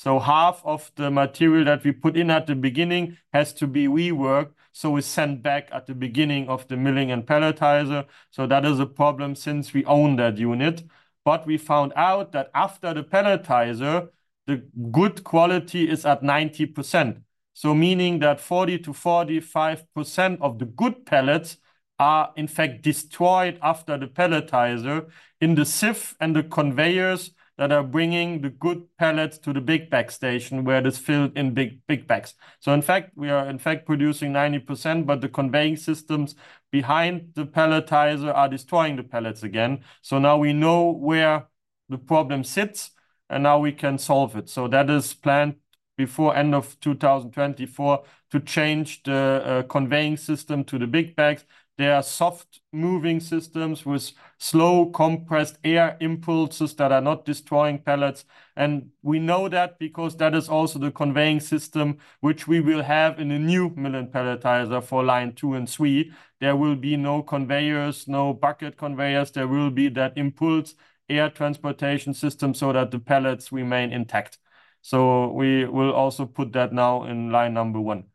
So half of the material that we put in at the beginning has to be reworked, so we send back at the beginning of the milling and pelletizer. So that is a problem since we own that unit. But we found out that after the pelletizer, the good quality is at 90%. So meaning that 40%-45% of the good pellets are in fact destroyed after the pelletizer in the sieve and the conveyors that are bringing the good pellets to the big bag station, where it is filled in big, big bags. So in fact, we are in fact producing 90%, but the conveying systems behind the pelletizer are destroying the pellets again. So now we know where the problem sits, and now we can solve it. So that is planned before end of 2024 to change the conveying system to the big bags. They are soft moving systems with slow compressed air impulses that are not destroying pellets. And we know that because that is also the conveying system which we will have in the new mill and pelletizer for line two and three. There will be no conveyors, no bucket conveyors. There will be that impulse air transportation system so that the pellets remain intact. So we will also put that now in line number one.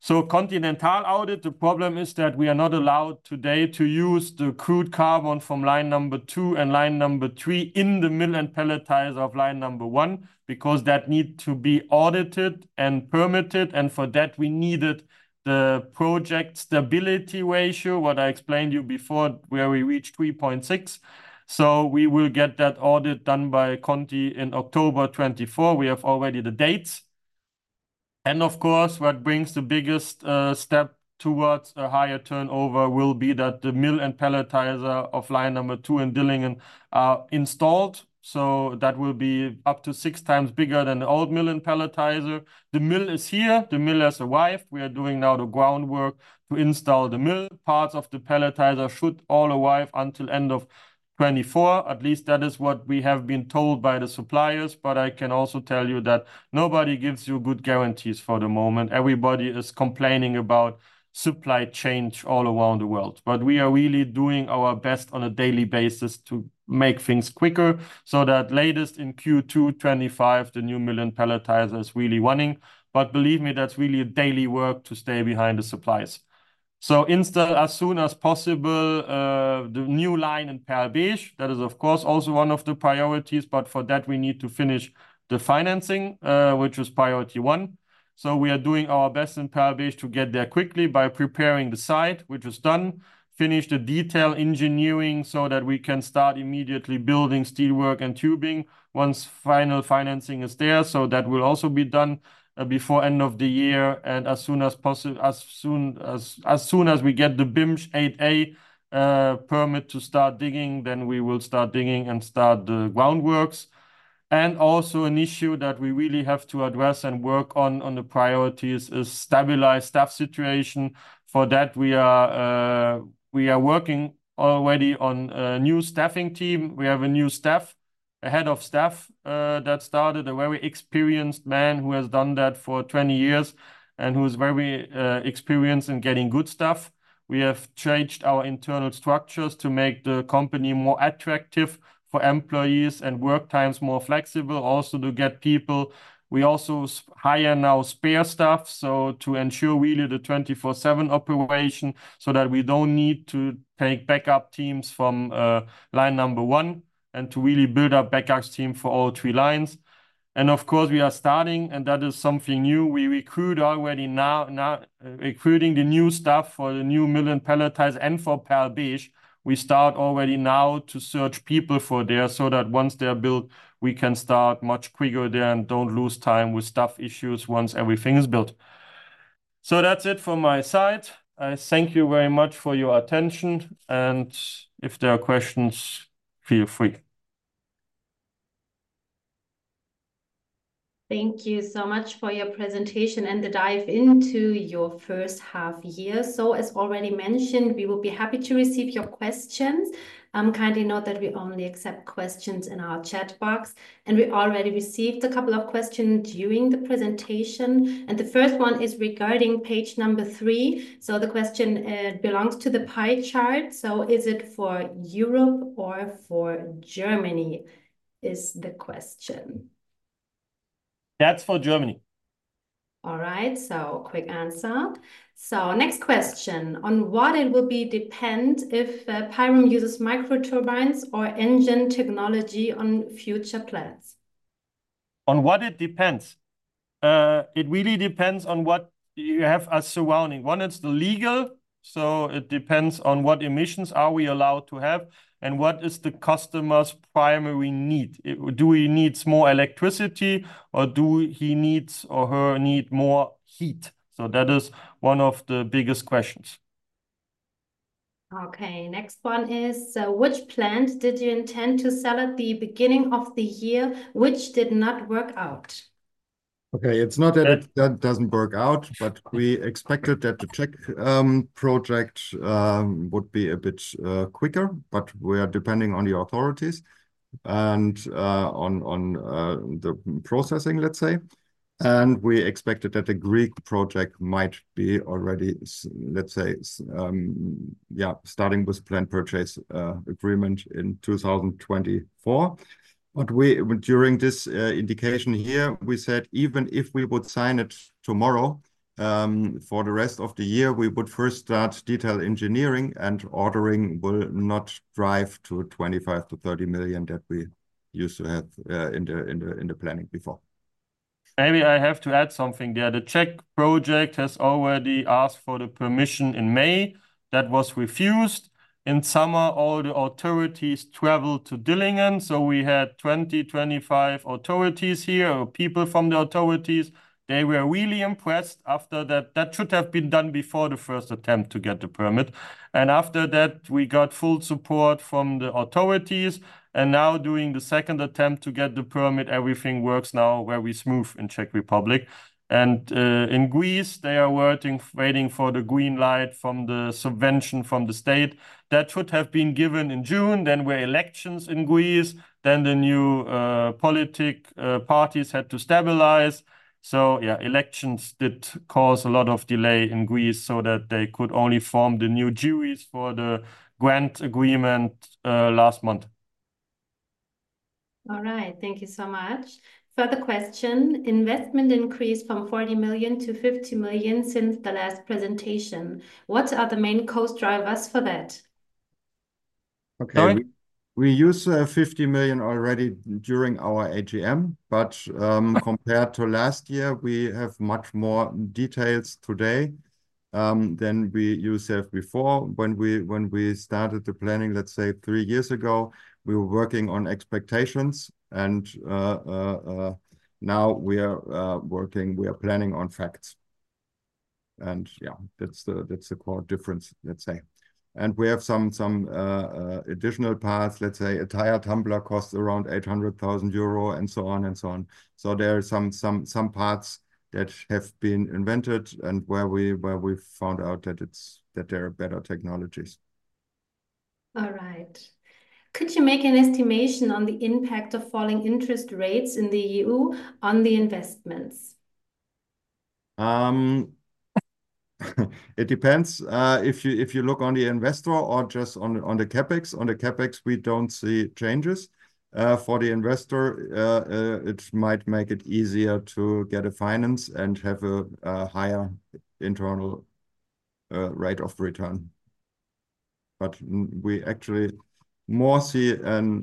So Continental audit, the problem is that we are not allowed today to use the crude carbon from line number two and line number three in the mill and pelletizer of line number one, because that need to be audited and permitted, and for that, we needed the project stability ratio, what I explained you before, where we reached 3.6. So we will get that audit done by Conti in October 2024. We have already the dates. And of course, what brings the biggest step towards a higher turnover will be that the mill and pelletizer of line number two and Dillingen are installed. So that will be up to six times bigger than the old mill and pelletizer. The mill is here. The mill has arrived. We are doing now the groundwork to install the mill. Parts of the pelletizer should all arrive until end of 2024. At least that is what we have been told by the suppliers, but I can also tell you that nobody gives you good guarantees for the moment. Everybody is complaining about supply chain all around the world. But we are really doing our best on a daily basis to make things quicker, so that latest in Q2 2025, the new mill and pelletizer is really running. But believe me, that's really a daily work to stay behind the supplies. So install as soon as possible, the new line in Perl-Besch. That is, of course, also one of the priorities, but for that, we need to finish the financing, which is priority one. So we are doing our best in Perl-Besch to get there quickly by preparing the site, which is done. Finish the detail engineering so that we can start immediately building steelwork and tubing once final financing is there. So that will also be done before end of the year, and as soon as we get the BImSchG 8a permit to start digging, then we will start digging and start the groundworks. And also an issue that we really have to address and work on, on the priorities is stabilize staff situation. For that, we are working already on a new staffing team. We have a new staff, a head of staff that started, a very experienced man who has done that for twenty years, and who is very experienced in getting good staff. We have changed our internal structures to make the company more attractive for employees and work times more flexible, also to get people. We also hire now spare staff, so to ensure really the 24/7 operation, so that we don't need to take backup teams from line number one, and to really build up backups team for all three lines. And of course, we are starting, and that is something new. We recruit already now recruiting the new staff for the new mill and pelletizer and for Perl-Besch. We start already now to search people for there, so that once they are built, we can start much quicker there and don't lose time with staff issues once everything is built. That's it for my side. I thank you very much for your attention, and if there are questions, feel free. Thank you so much for your presentation and the dive into your first half year. So as already mentioned, we will be happy to receive your questions. Kindly note that we only accept questions in our chat box, and we already received a couple of questions during the presentation, and the first one is regarding page number three. So the question belongs to the pie chart, so, "Is it for Europe or for Germany?" Is the question. That's for Germany. All right, so quick answer. So next question: "On what it will be depend if Pyrum uses microturbines or engine technology on future plants? On what it depends? It really depends on what you have as surrounding. One, it's the legal, so it depends on what emissions are we allowed to have and what is the customer's primary need. Do he needs more electricity, or do he needs or her need more heat? So that is one of the biggest questions. Okay, next one is: "So which plant did you intend to sell at the beginning of the year, which did not work out?" Okay, it's not that it doesn't work out, but we expected that the Czech project would be a bit quicker, but we are depending on the authorities and on the processing, let's say. We expected that the Greek project might be already, let's say, starting with plant purchase agreement in 2024. But we, during this indication here, we said, even if we would sign it tomorrow, for the rest of the year, we would first start detail engineering, and ordering will not drive to 25-30 million that we used to have in the planning before. Maybe I have to add something there. The Czech project has already asked for the permission in May. That was refused. In summer, all the authorities traveled to Dillingen, so we had 20 to 25 authorities here, or people from the authorities. They were really impressed after that. That should have been done before the first attempt to get the permit. After that, we got full support from the authorities, and now doing the second attempt to get the permit, everything works now very smooth in Czech Republic. In Greece, they are working, waiting for the green light from the subvention from the state. That should have been given in June, then were elections in Greece, then the new political parties had to stabilize. So yeah, elections did cause a lot of delay in Greece so that they could only form the new juries for the grant agreement last month. All right. Thank you so much. Further question, "Investment increased from 40 million to 50 million since the last presentation. What are the main cost drivers for that?" Okay- We used 50 million EUR already during our AGM, but compared to last year, we have much more details today than we used to have before. When we started the planning, let's say, three years ago, we were working on expectations, and now we are working, we are planning on facts, yeah, that's the core difference, let's say, and we have some additional parts. Let's say, a tire tumbler costs around 800,000 euro, and so on and so on. So there are some parts that have been invented and where we found out that it's that there are better technologies. All right. "Could you make an estimation on the impact of falling interest rates in the EU on the investments?" It depends. If you look on the investor or just on the CapEx, we don't see changes. For the investor, it might make it easier to get a finance and have a higher internal rate of return... but we actually more see an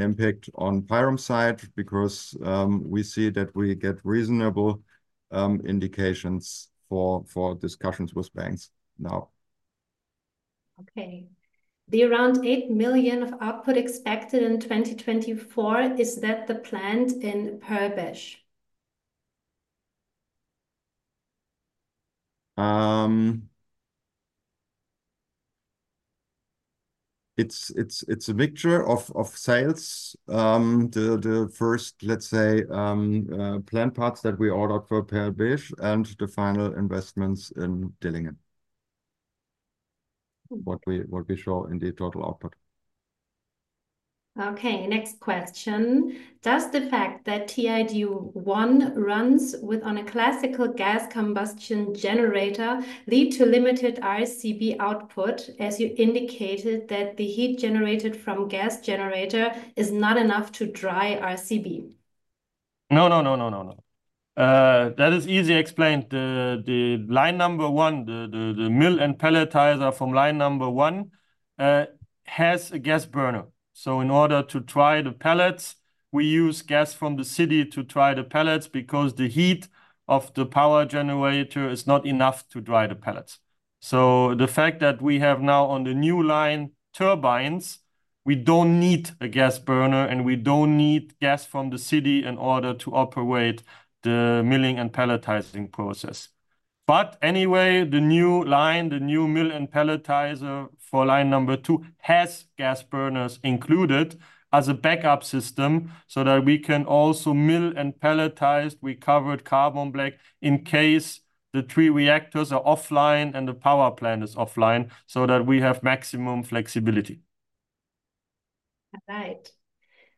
impact on Pyrum side because we see that we get reasonable indications for discussions with banks now. Okay. The around eight million of output expected in 2024, is that the plant in Perl-Besch? It's a mixture of sales. The first plant parts that we ordered for Perl-Besch and the final investments in Dillingen, what we show in the total output. Okay, next question: Does the fact that TAD 1 runs with, on a classical gas combustion generator lead to limited RCB output, as you indicated that the heat generated from gas generator is not enough to dry RCB? No, no, no, no, no, no. That is easy explained. The line number one, the mill and pelletizer from line number one, has a gas burner. So in order to dry the pellets, we use gas from the city to dry the pellets, because the heat of the power generator is not enough to dry the pellets. So the fact that we have now on the new line, turbines, we don't need a gas burner, and we don't need gas from the city in order to operate the milling and pelletizing process. But anyway, the new line, the new mill and pelletizer for line number two, has gas burners included as a backup system so that we can also mill and pelletize recovered carbon black in case the three reactors are offline and the power plant is offline, so that we have maximum flexibility. All right.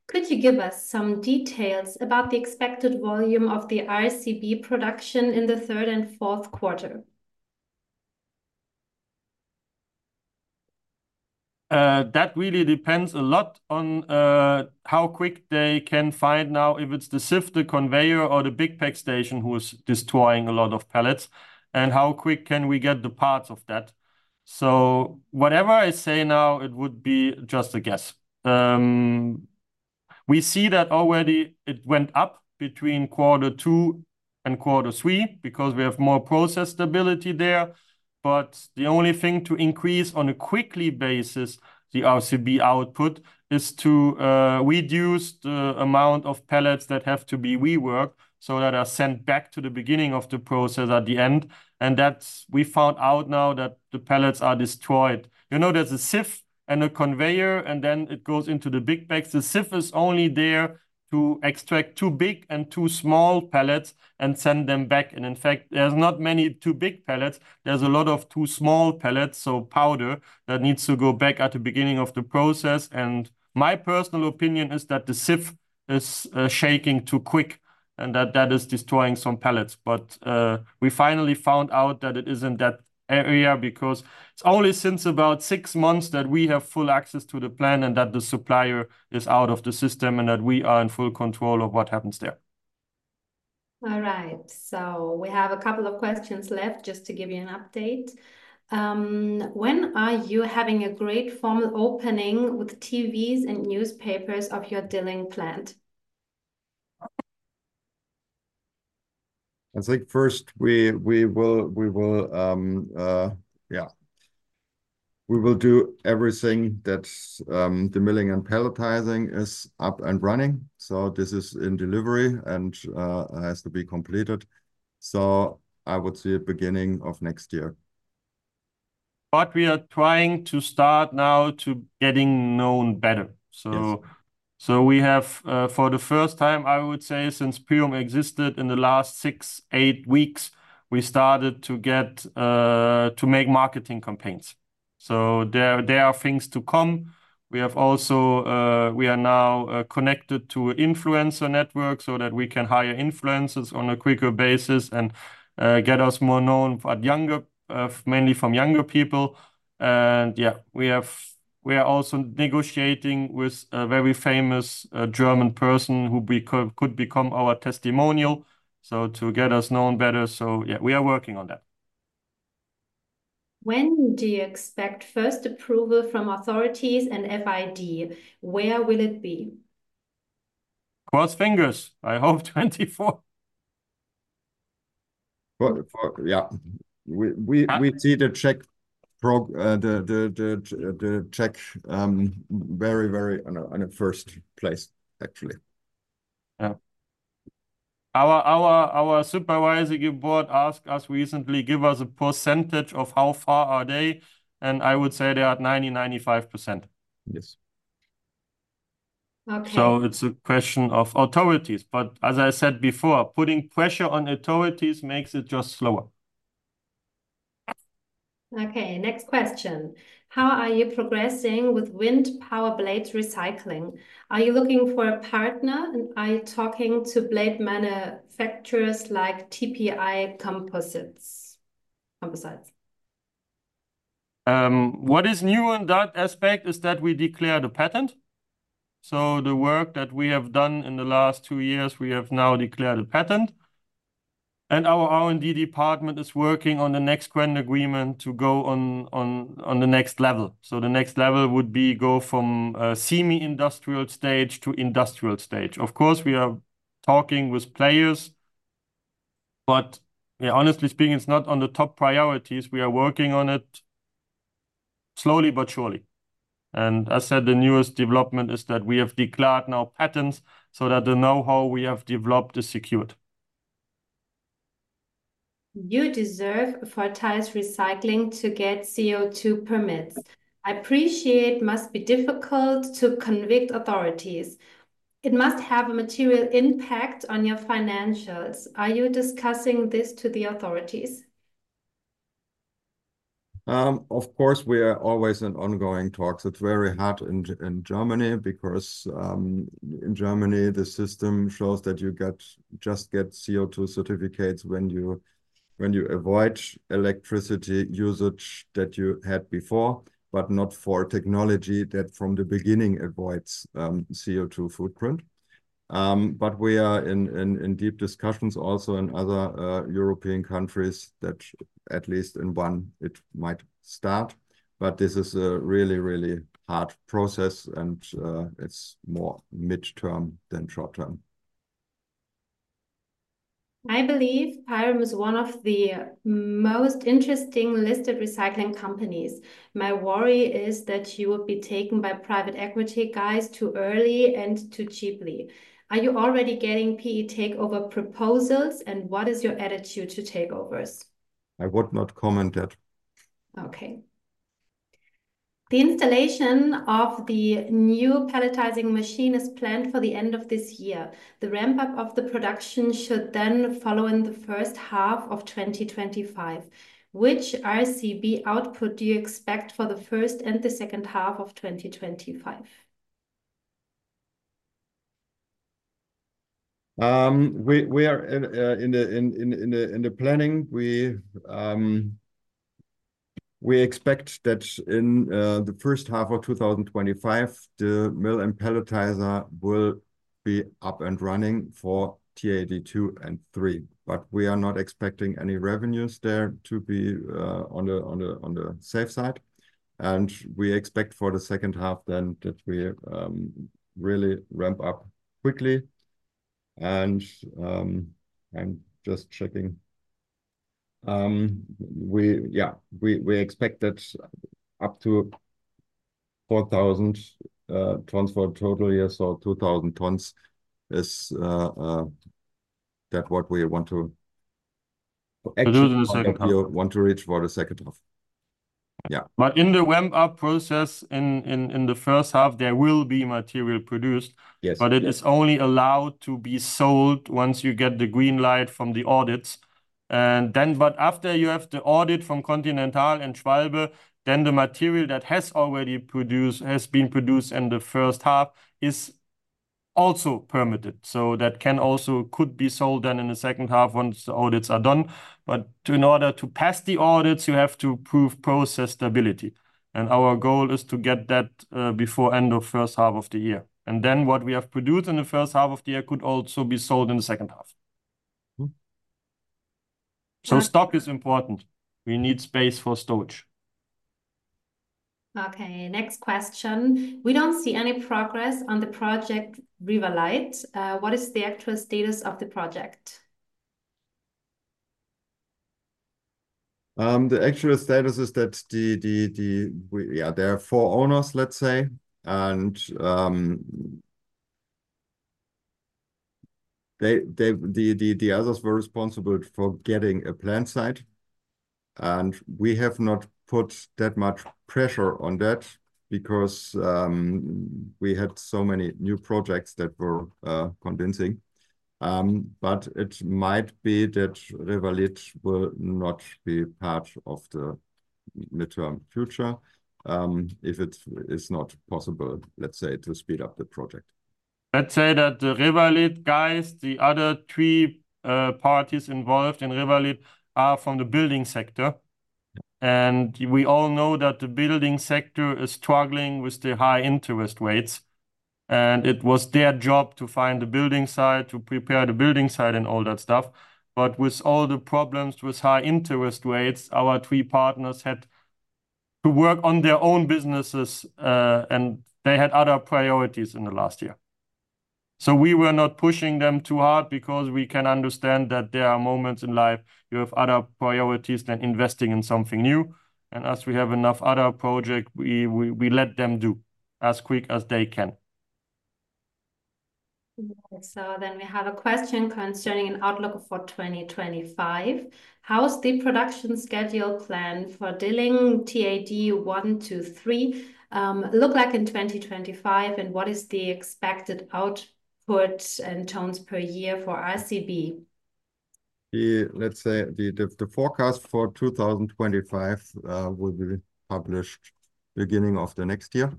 Could you give us some details about the expected volume of the RCB production in the third and fourth quarter? That really depends a lot on how quick they can find now if it's the sifter conveyor or the big bag station who is destroying a lot of pellets, and how quick can we get the parts of that. So whatever I say now, it would be just a guess. We see that already it went up between quarter two and quarter three, because we have more process stability there. But the only thing to increase on a quickly basis the RCB output is to reduce the amount of pellets that have to be reworked, so that are sent back to the beginning of the process at the end. And that's. We found out now that the pellets are destroyed. You know, there's a sieve and a conveyor, and then it goes into the big bags. The sieve is only there to extract too big and too small pellets and send them back, and in fact, there's not many too big pellets. There's a lot of too small pellets, so powder, that needs to go back at the beginning of the process. And my personal opinion is that the sieve is shaking too quick, and that that is destroying some pellets. But we finally found out that it is in that area, because it's only since about six months that we have full access to the plant, and that the supplier is out of the system, and that we are in full control of what happens there. All right, so we have a couple of questions left, just to give you an update. When are you having a great formal opening with TVs and newspapers of your Dillingen plant? I think first we will do everything that the milling and pelletizing is up and running. So this is in delivery and has to be completed. So I would say beginning of next year. But we are trying to start now to get known better. Yes. So we have, for the first time, I would say, since Pyrum existed in the last six, eight weeks, we started to get, to make marketing campaigns. There are things to come. We have also, we are now, connected to influencer network so that we can hire influencers on a quicker basis and, get us more known at younger, mainly from younger people. Yeah, we are also negotiating with a very famous, German person who could become our testimonial, so to get us known better. Yeah, we are working on that. When do you expect first approval from authorities and FID? Where will it be? Cross fingers, I hope 2024. Well, yeah, we... Uh. We see the check very very on a first place, actually. Yeah. Our supervisory board asked us recently, "Give us a percentage of how far are they?" And I would say they are at 90%-95%. Yes. Okay. So it's a question of authorities, but as I said before, putting pressure on authorities makes it just slower. Okay, next question: How are you progressing with wind power blades recycling? Are you looking for a partner? Are you talking to blade manufacturers like TPI Composites, Composites? What is new on that aspect is that we declared a patent. So the work that we have done in the last two years, we have now declared a patent. And our R&D department is working on the next grant agreement to go on the next level. So the next level would be go from semi-industrial stage to industrial stage. Of course, we are talking with players, but yeah, honestly speaking, it's not on the top priorities. We are working on it slowly but surely. And I said the newest development is that we have declared now patents so that the know-how we have developed is secured. You deserve for tire recycling to get CO2 permits. I appreciate it must be difficult to convince authorities. It must have a material impact on your financials. Are you discussing this with the authorities? Of course, we are always in ongoing talks. It's very hard in Germany because in Germany, the system shows that you just get CO2 certificates when you avoid electricity usage that you had before, but not for technology that from the beginning avoids CO2 footprint. But we are in deep discussions also in other European countries that at least in one it might start, but this is a really, really hard process, and it's more mid-term than short-term. I believe Pyrum is one of the most interesting listed recycling companies. My worry is that you will be taken by private equity guys too early and too cheaply. Are you already getting PE takeover proposals, and what is your attitude to takeovers? I would not comment that. Okay. The installation of the new pelletizing machine is planned for the end of this year. The ramp-up of the production should then follow in the first half of 2025. Which RCB output do you expect for the first and the second half of 2025? We are in the planning. We expect that in the first half of 2025, the mill and pelletizer will be up and running for TAD 2 and 3, but we are not expecting any revenues there to be on the safe side, and we expect for the second half then that we really ramp up quickly and, I'm just checking. We expect that up to 4,000 tons for the total year, so 2,000 tons is that's what we want to- For the second half.... actually, we want to reach for the second half. Yeah. But in the ramp-up process, in the first half, there will be material produced. Yes.... but it is only allowed to be sold once you get the green light from the audits. And then, after you have the audit from Continental and Schwalbe, the material that has already been produced in the first half is also permitted, so that can also be sold then in the second half once the audits are done. But in order to pass the audits, you have to prove process stability, and our goal is to get that before end of first half of the year. And then what we have produced in the first half of the year could also be sold in the second half. Mm-hmm. Stock is important. We need space for storage. Okay, next question. We don't see any progress on the project, REVALIT. What is the actual status of the project? The actual status is that there are four owners, let's say, and they, the others were responsible for getting a plant site, and we have not put that much pressure on that because we had so many new projects that were convincing. But it might be that REVALIT will not be part of the mid-term future, if it is not possible, let's say, to speed up the project. Let's say that the REVALIT guys, the other three parties involved in REVALIT are from the building sector, and we all know that the building sector is struggling with the high interest rates, and it was their job to find the building site, to prepare the building site and all that stuff, but with all the problems with high interest rates, our three partners had to work on their own businesses, and they had other priorities in the last year, so we were not pushing them too hard because we can understand that there are moments in life you have other priorities than investing in something new, and as we have enough other project, we let them do as quick as they can. So then we have a question concerning an outlook for 2025. How's the production schedule plan for Dillingen TAD 1 to 3 look like in 2025, and what is the expected output and tons per year for RCB? Let's say, the forecast for 2025 will be published beginning of the next year.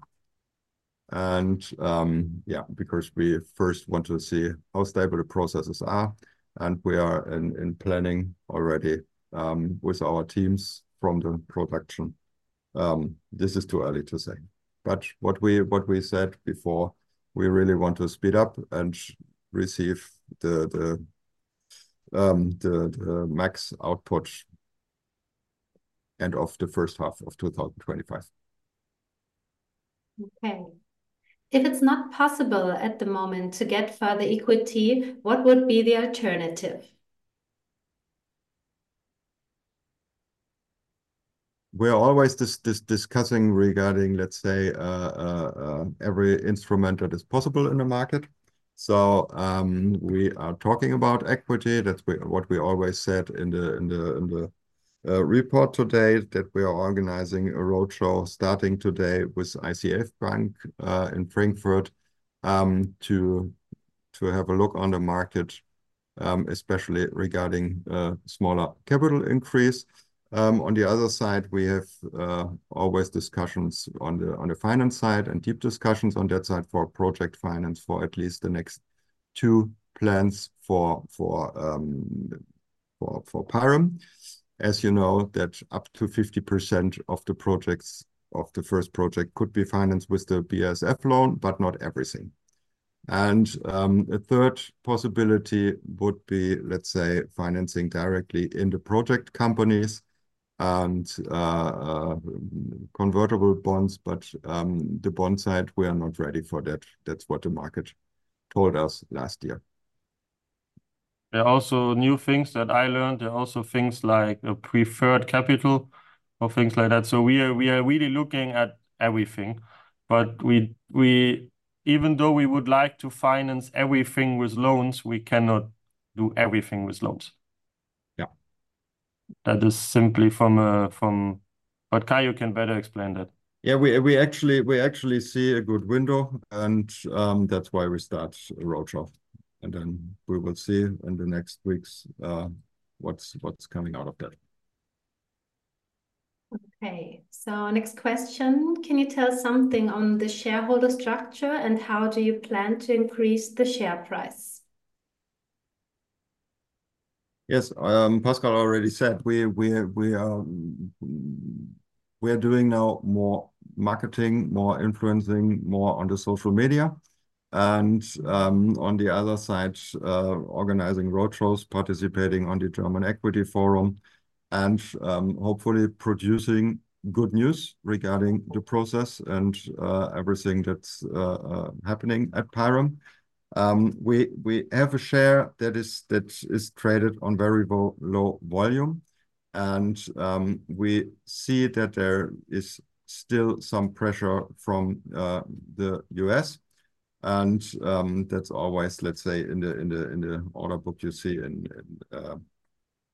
Because we first want to see how stable the processes are, and we are planning already with our teams from the production. This is too early to say. But what we said before, we really want to speed up and receive the max output end of the first half of 2025. Okay. If it's not possible at the moment to get further equity, what would be the alternative? We're always discussing regarding, let's say, every instrument that is possible in the market. So, we are talking about equity. That's what we always said in the report today, that we are organizing a roadshow starting today with ICF Bank in Frankfurt to have a look on the market, especially regarding smaller capital increase. On the other side, we have always discussions on the finance side, and deep discussions on that side for project finance for at least the next two plants for Pyrum. As you know, that up to 50% of the projects, of the first project could be financed with the BASF loan, but not everything. And, a third possibility would be, let's say, financing directly in the project companies and, convertible bonds. But, the bond side, we are not ready for that. That's what the market told us last year. There are also new things that I learned. There are also things like a preferred capital or things like that. So we are really looking at everything, but even though we would like to finance everything with loans, we cannot do everything with loans. Yeah. That is simply from a... But Kai, you can better explain that. Yeah, we actually see a good window, and that's why we start a roadshow, and then we will see in the next weeks what's coming out of that. Okay. So next question: Can you tell something on the shareholder structure, and how do you plan to increase the share price? Yes, Pascal already said we are doing now more marketing, more influencing, more on the social media and, on the other side, organizing roadshows, participating on the German Equity Forum, and, hopefully producing good news regarding the process and, everything that's happening at Pyrum. We have a share that is traded on very low volume, and we see that there is still some pressure from the U.S., and that's always, let's say, in the order book you see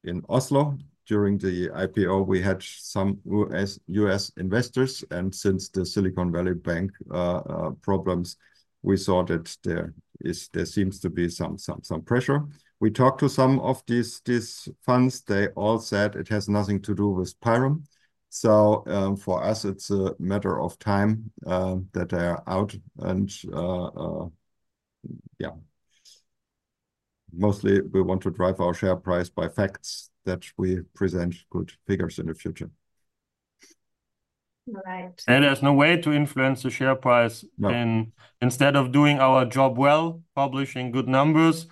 in Oslo. During the IPO, we had some U.S. investors, and since the Silicon Valley Bank problems, we saw that there seems to be some pressure. We talked to some of these funds. They all said it has nothing to do with Pyrum. For us, it's a matter of time that they are out. Mostly we want to drive our share price by facts that we present good figures in the future. Right. There's no way to influence the share price. No... than instead of doing our job well, publishing good numbers,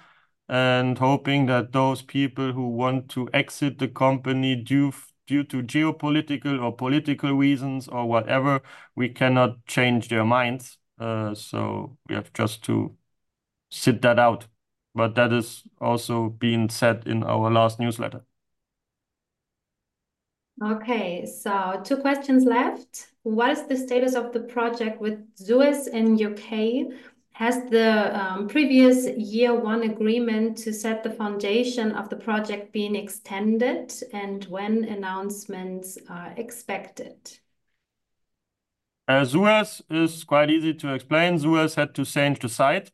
and hoping that those people who want to exit the company due to geopolitical or political reasons or whatever, we cannot change their minds. So we have just to sit that out, but that has also been said in our last newsletter. Okay, so two questions left. What is the status of the project with SUEZ in U.K.? Has the previous year one agreement to set the foundation of the project been extended, and when announcements are expected? SUEZ is quite easy to explain. SUEZ had to change the site.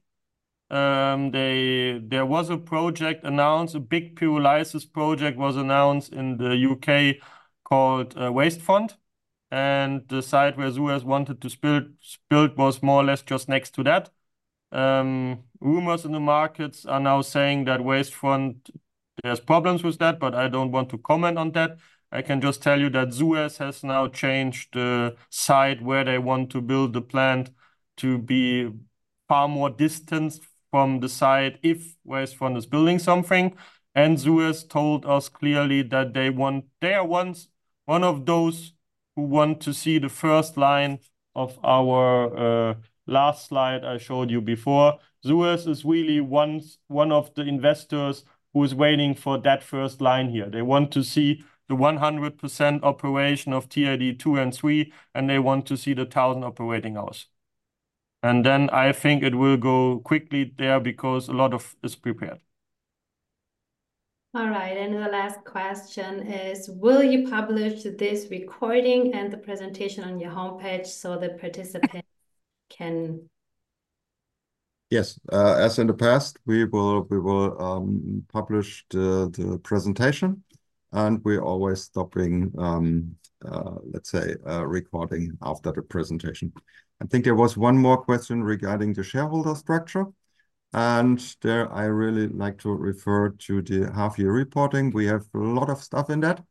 There was a project announced, a big Pyrum project was announced in the UK called Wastefront, and the site where SUEZ wanted to build was more or less just next to that. Rumors in the markets are now saying that Wastefront has problems with that, but I don't want to comment on that. I can just tell you that SUEZ has now changed the site where they want to build the plant to be far more distanced from the site if Wastefront is building something, and SUEZ told us clearly that they are one of those who want to see the first line of our last slide I showed you before. SUEZ is really one of the investors who is waiting for that first line here. They want to see the 100% operation of TAD 2 and 3, and they want to see the 1,000 operating hours. Then I think it will go quickly there because a lot of it is prepared. All right, and the last question is, will you publish this recording and the presentation on your homepage so the participants can...? Yes. As in the past, we will publish the presentation, and we're always stopping, let's say, recording after the presentation. I think there was one more question regarding the shareholder structure, and there I really like to refer to the half-year reporting. We have a lot of stuff in that.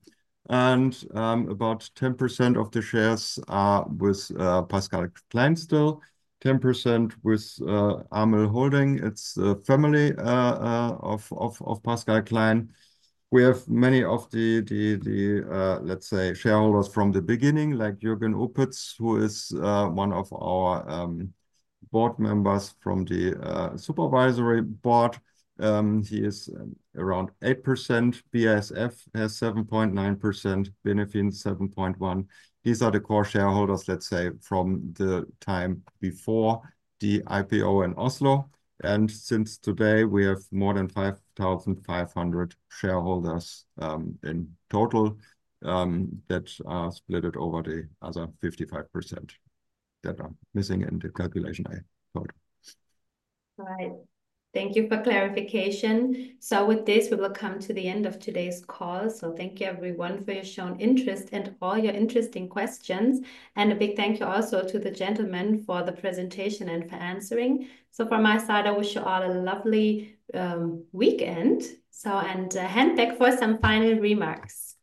And, about 10% of the shares are with Pascal Klein still, 10% with Amel Holding, it's a family of Pascal Klein. We have many of the shareholders from the beginning, like Jürgen Opitz, who is one of our board members from the supervisory board. He is around 8%. BASF has 7.9%, Benefin, 7.1%. These are the core shareholders, let's say, from the time before the IPO in Oslo. Since today, we have more than 5,500 shareholders in total that are split over the other 55% that are missing in the calculation, I thought. Right. Thank you for clarification. So with this, we will come to the end of today's call. So thank you everyone for your shown interest and all your interesting questions. And a big thank you also to the gentlemen for the presentation and for answering. So from my side, I wish you all a lovely weekend. So, and, hand back for some final remarks.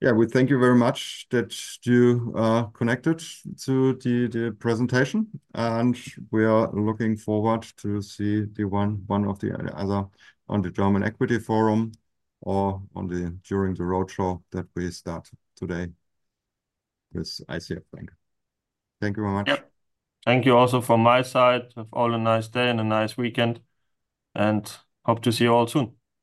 Yeah, we thank you very much that you connected to the presentation, and we are looking forward to see one or the other on the German Equity Forum or during the roadshow that we start today with ICF Bank. Thank you very much. Yep. Thank you also from my side. Have all a nice day and a nice weekend, and hope to see you all soon.